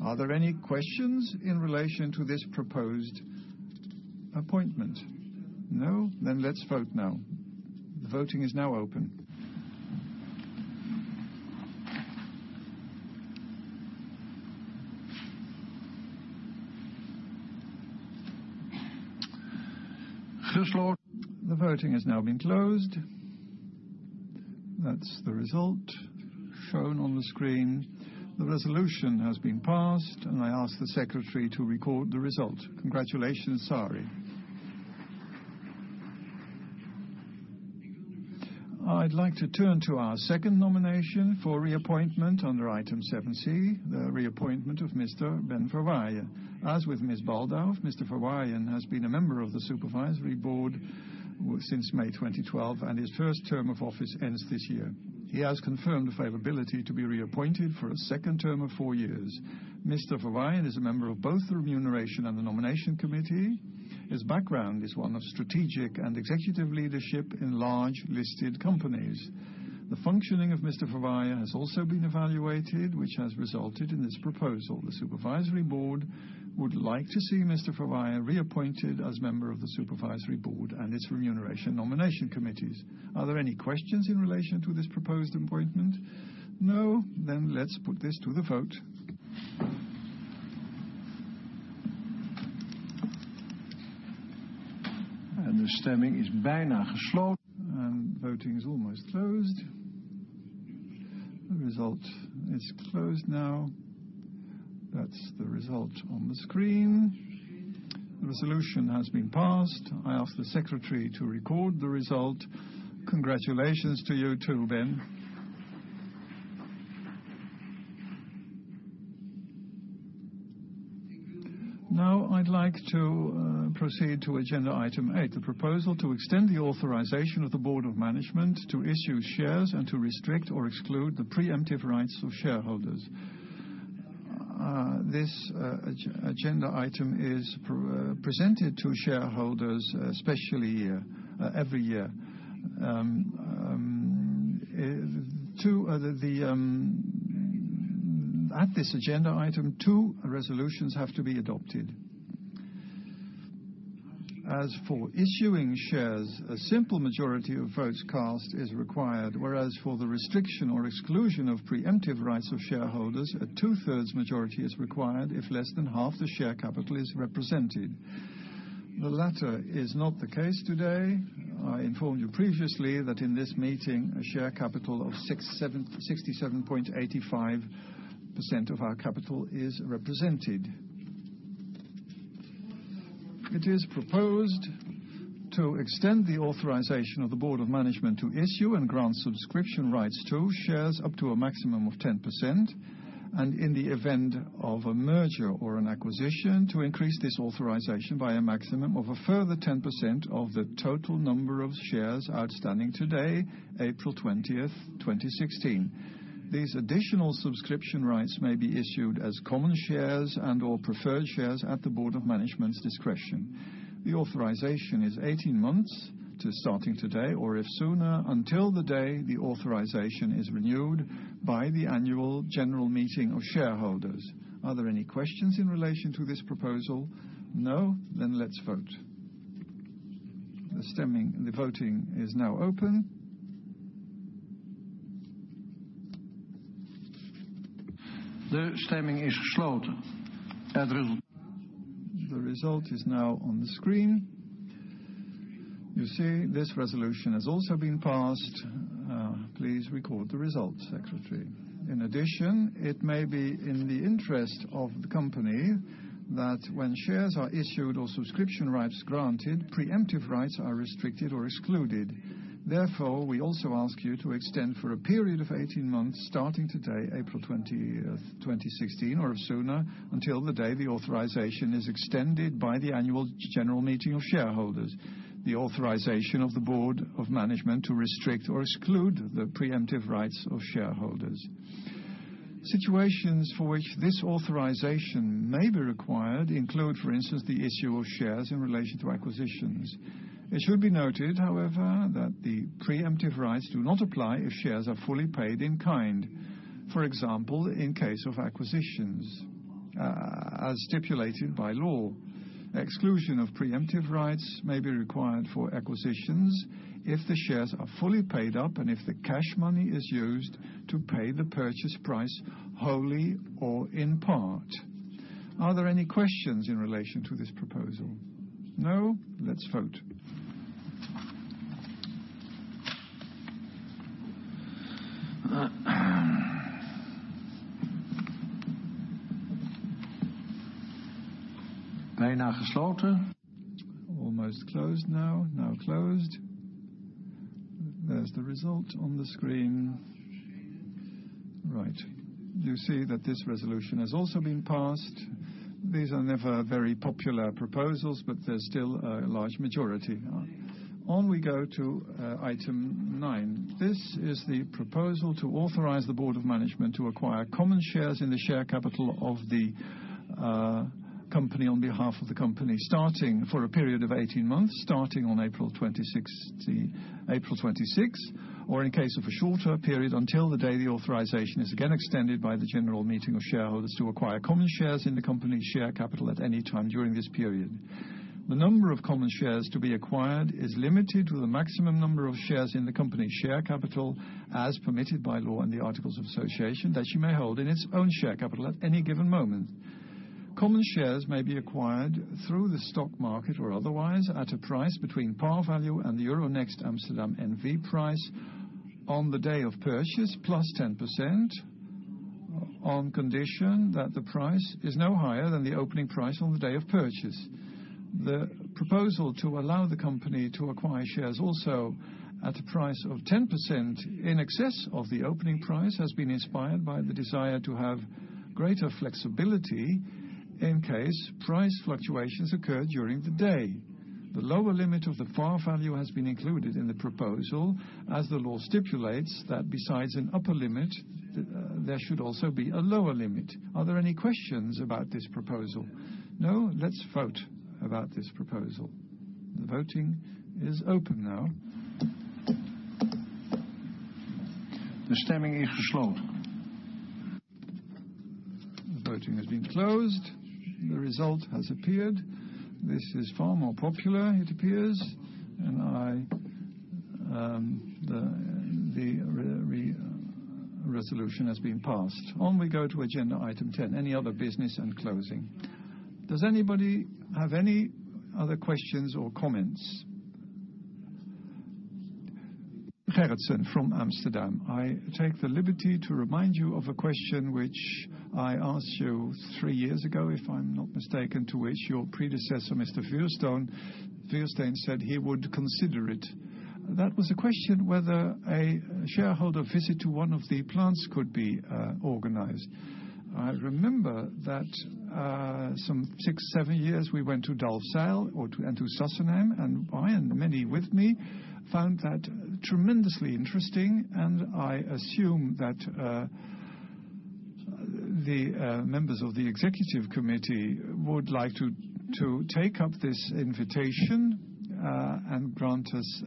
Are there any questions in relation to this proposed appointment? No? Let's vote now. The voting is now open. The voting has now been closed. That's the result shown on the screen. The resolution has been passed, and I ask the Secretary to record the result. Congratulations, Sari. I'd like to turn to our second nomination for reappointment under item 7C, the reappointment of Mr. Ben Verwaayen. As with Ms. Baldauf, Mr. Verwaayen has been a member of the Supervisory Board since May 2012, and his first term of office ends this year. He has confirmed availability to be reappointed for a second term of four years. Mr. Verwaayen is a member of both the Remuneration and the Nomination Committee. His background is one of strategic and executive leadership in large listed companies. The functioning of Mr. Verwaayen has also been evaluated, which has resulted in this proposal. The Supervisory Board would like to see Mr. Verwaayen reappointed as member of the Supervisory Board and its Remuneration and Nomination Committees. Are there any questions in relation to this proposed appointment? No, let's put this to the vote. The voting is almost closed. The result is closed now. That's the result on the screen. The resolution has been passed. I ask the Secretary to record the result. Congratulations to you too, Ben. I'd like to proceed to agenda item 8, the proposal to extend the authorization of the Board of Management to issue shares and to restrict or exclude the preemptive rights of shareholders. This agenda item is presented to shareholders every year. At this agenda item, two resolutions have to be adopted. As for issuing shares, a simple majority of votes cast is required, whereas for the restriction or exclusion of preemptive rights of shareholders, a two-thirds majority is required if less than half the share capital is represented. The latter is not the case today. I informed you previously that in this meeting, a share capital of 67.85% of our capital is represented. It is proposed to extend the authorization of the Board of Management to issue and grant subscription rights to shares up to a maximum of 10%, and in the event of a merger or an acquisition, to increase this authorization by a maximum of a further 10% of the total number of shares outstanding today, April 20, 2016. These additional subscription rights may be issued as common shares and/or preferred shares at the Board of Management's discretion. The authorization is 18 months, starting today, or if sooner, until the day the authorization is renewed by the annual general meeting of shareholders. Are there any questions in relation to this proposal? No, let's vote. The voting is now open. The result is now on the screen. You see this resolution has also been passed. Please record the result, Secretary. In addition, it may be in the interest of the company that when shares are issued or subscription rights granted, preemptive rights are restricted or excluded. Therefore, we also ask you to extend for a period of 18 months, starting today, April 20th, 2016, or if sooner, until the day the authorization is extended by the annual general meeting of shareholders, the authorization of the board of management to restrict or exclude the preemptive rights of shareholders. Situations for which this authorization may be required include, for instance, the issue of shares in relation to acquisitions. It should be noted, however, that the preemptive rights do not apply if shares are fully paid in kind. For example, in case of acquisitions, as stipulated by law. Exclusion of preemptive rights may be required for acquisitions if the shares are fully paid up and if the cash money is used to pay the purchase price wholly or in part. Are there any questions in relation to this proposal? No, let's vote. Almost closed now. Now closed. There's the result on the screen. Right. You see that this resolution has also been passed. These are never very popular proposals, but there's still a large majority. On we go to item nine. This is the proposal to authorize the board of management to acquire common shares in the share capital of the company on behalf of the company, for a period of 18 months, starting on April 26th, or in case of a shorter period, until the day the authorization is again extended by the general meeting of shareholders to acquire common shares in the company's share capital at any time during this period. The number of common shares to be acquired is limited to the maximum number of shares in the company's share capital as permitted by law and the articles of association that you may hold in its own share capital at any given moment. Common shares may be acquired through the stock market or otherwise at a price between par value and the Euronext Amsterdam N.V. price On the day of purchase, plus 10%, on condition that the price is no higher than the opening price on the day of purchase. The proposal to allow the company to acquire shares also at a price of 10% in excess of the opening price has been inspired by the desire to have greater flexibility in case price fluctuations occur during the day. The lower limit of the par value has been included in the proposal, as the law stipulates that besides an upper limit, there should also be a lower limit. Are there any questions about this proposal? No, let's vote about this proposal. The voting is open now. The voting has been closed. The result has appeared. This is far more popular, it appears. The resolution has been passed. On we go to agenda item 10, any other business and closing. Does anybody have any other questions or comments? Gerritsen from Amsterdam. I take the liberty to remind you of a question which I asked you 3 years ago, if I'm not mistaken, to which your predecessor, Mr. Vuursteen, said he would consider it. That was a question whether a shareholder visit to one of the plants could be organized. I remember that some 6, 7 years we went to Delfzijl and to Sassenheim, and I, and many with me, found that tremendously interesting, and I assume that the members of the executive committee would like to take up this invitation, and grant us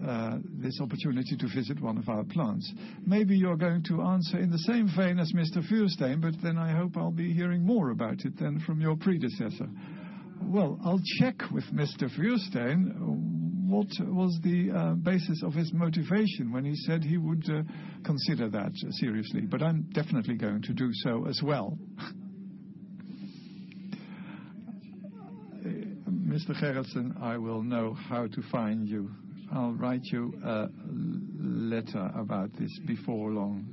this opportunity to visit one of our plants. Maybe you're going to answer in the same vein as Mr. Vuursteen, I hope I'll be hearing more about it than from your predecessor. Well, I'll check with Mr. Vuursteen what was the basis of his motivation when he said he would consider that seriously, I'm definitely going to do so as well. Mr. Gerritsen, I will know how to find you. I'll write you a letter about this before long.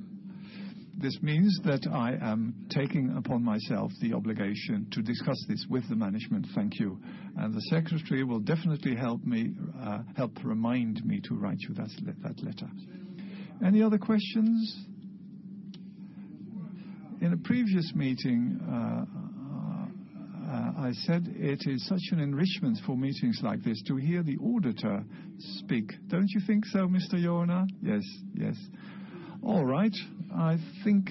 This means that I am taking upon myself the obligation to discuss this with the management. Thank you. The secretary will definitely help remind me to write you that letter. Any other questions? In a previous meeting, I said it is such an enrichment for meetings like this to hear the auditor speak. Don't you think so, Mr. Jorna? Yes. All right. I think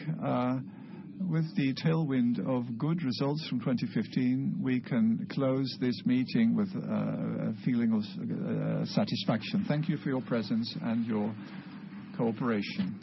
with the tailwind of good results from 2015, we can close this meeting with a feeling of satisfaction. Thank you for your presence and your cooperation.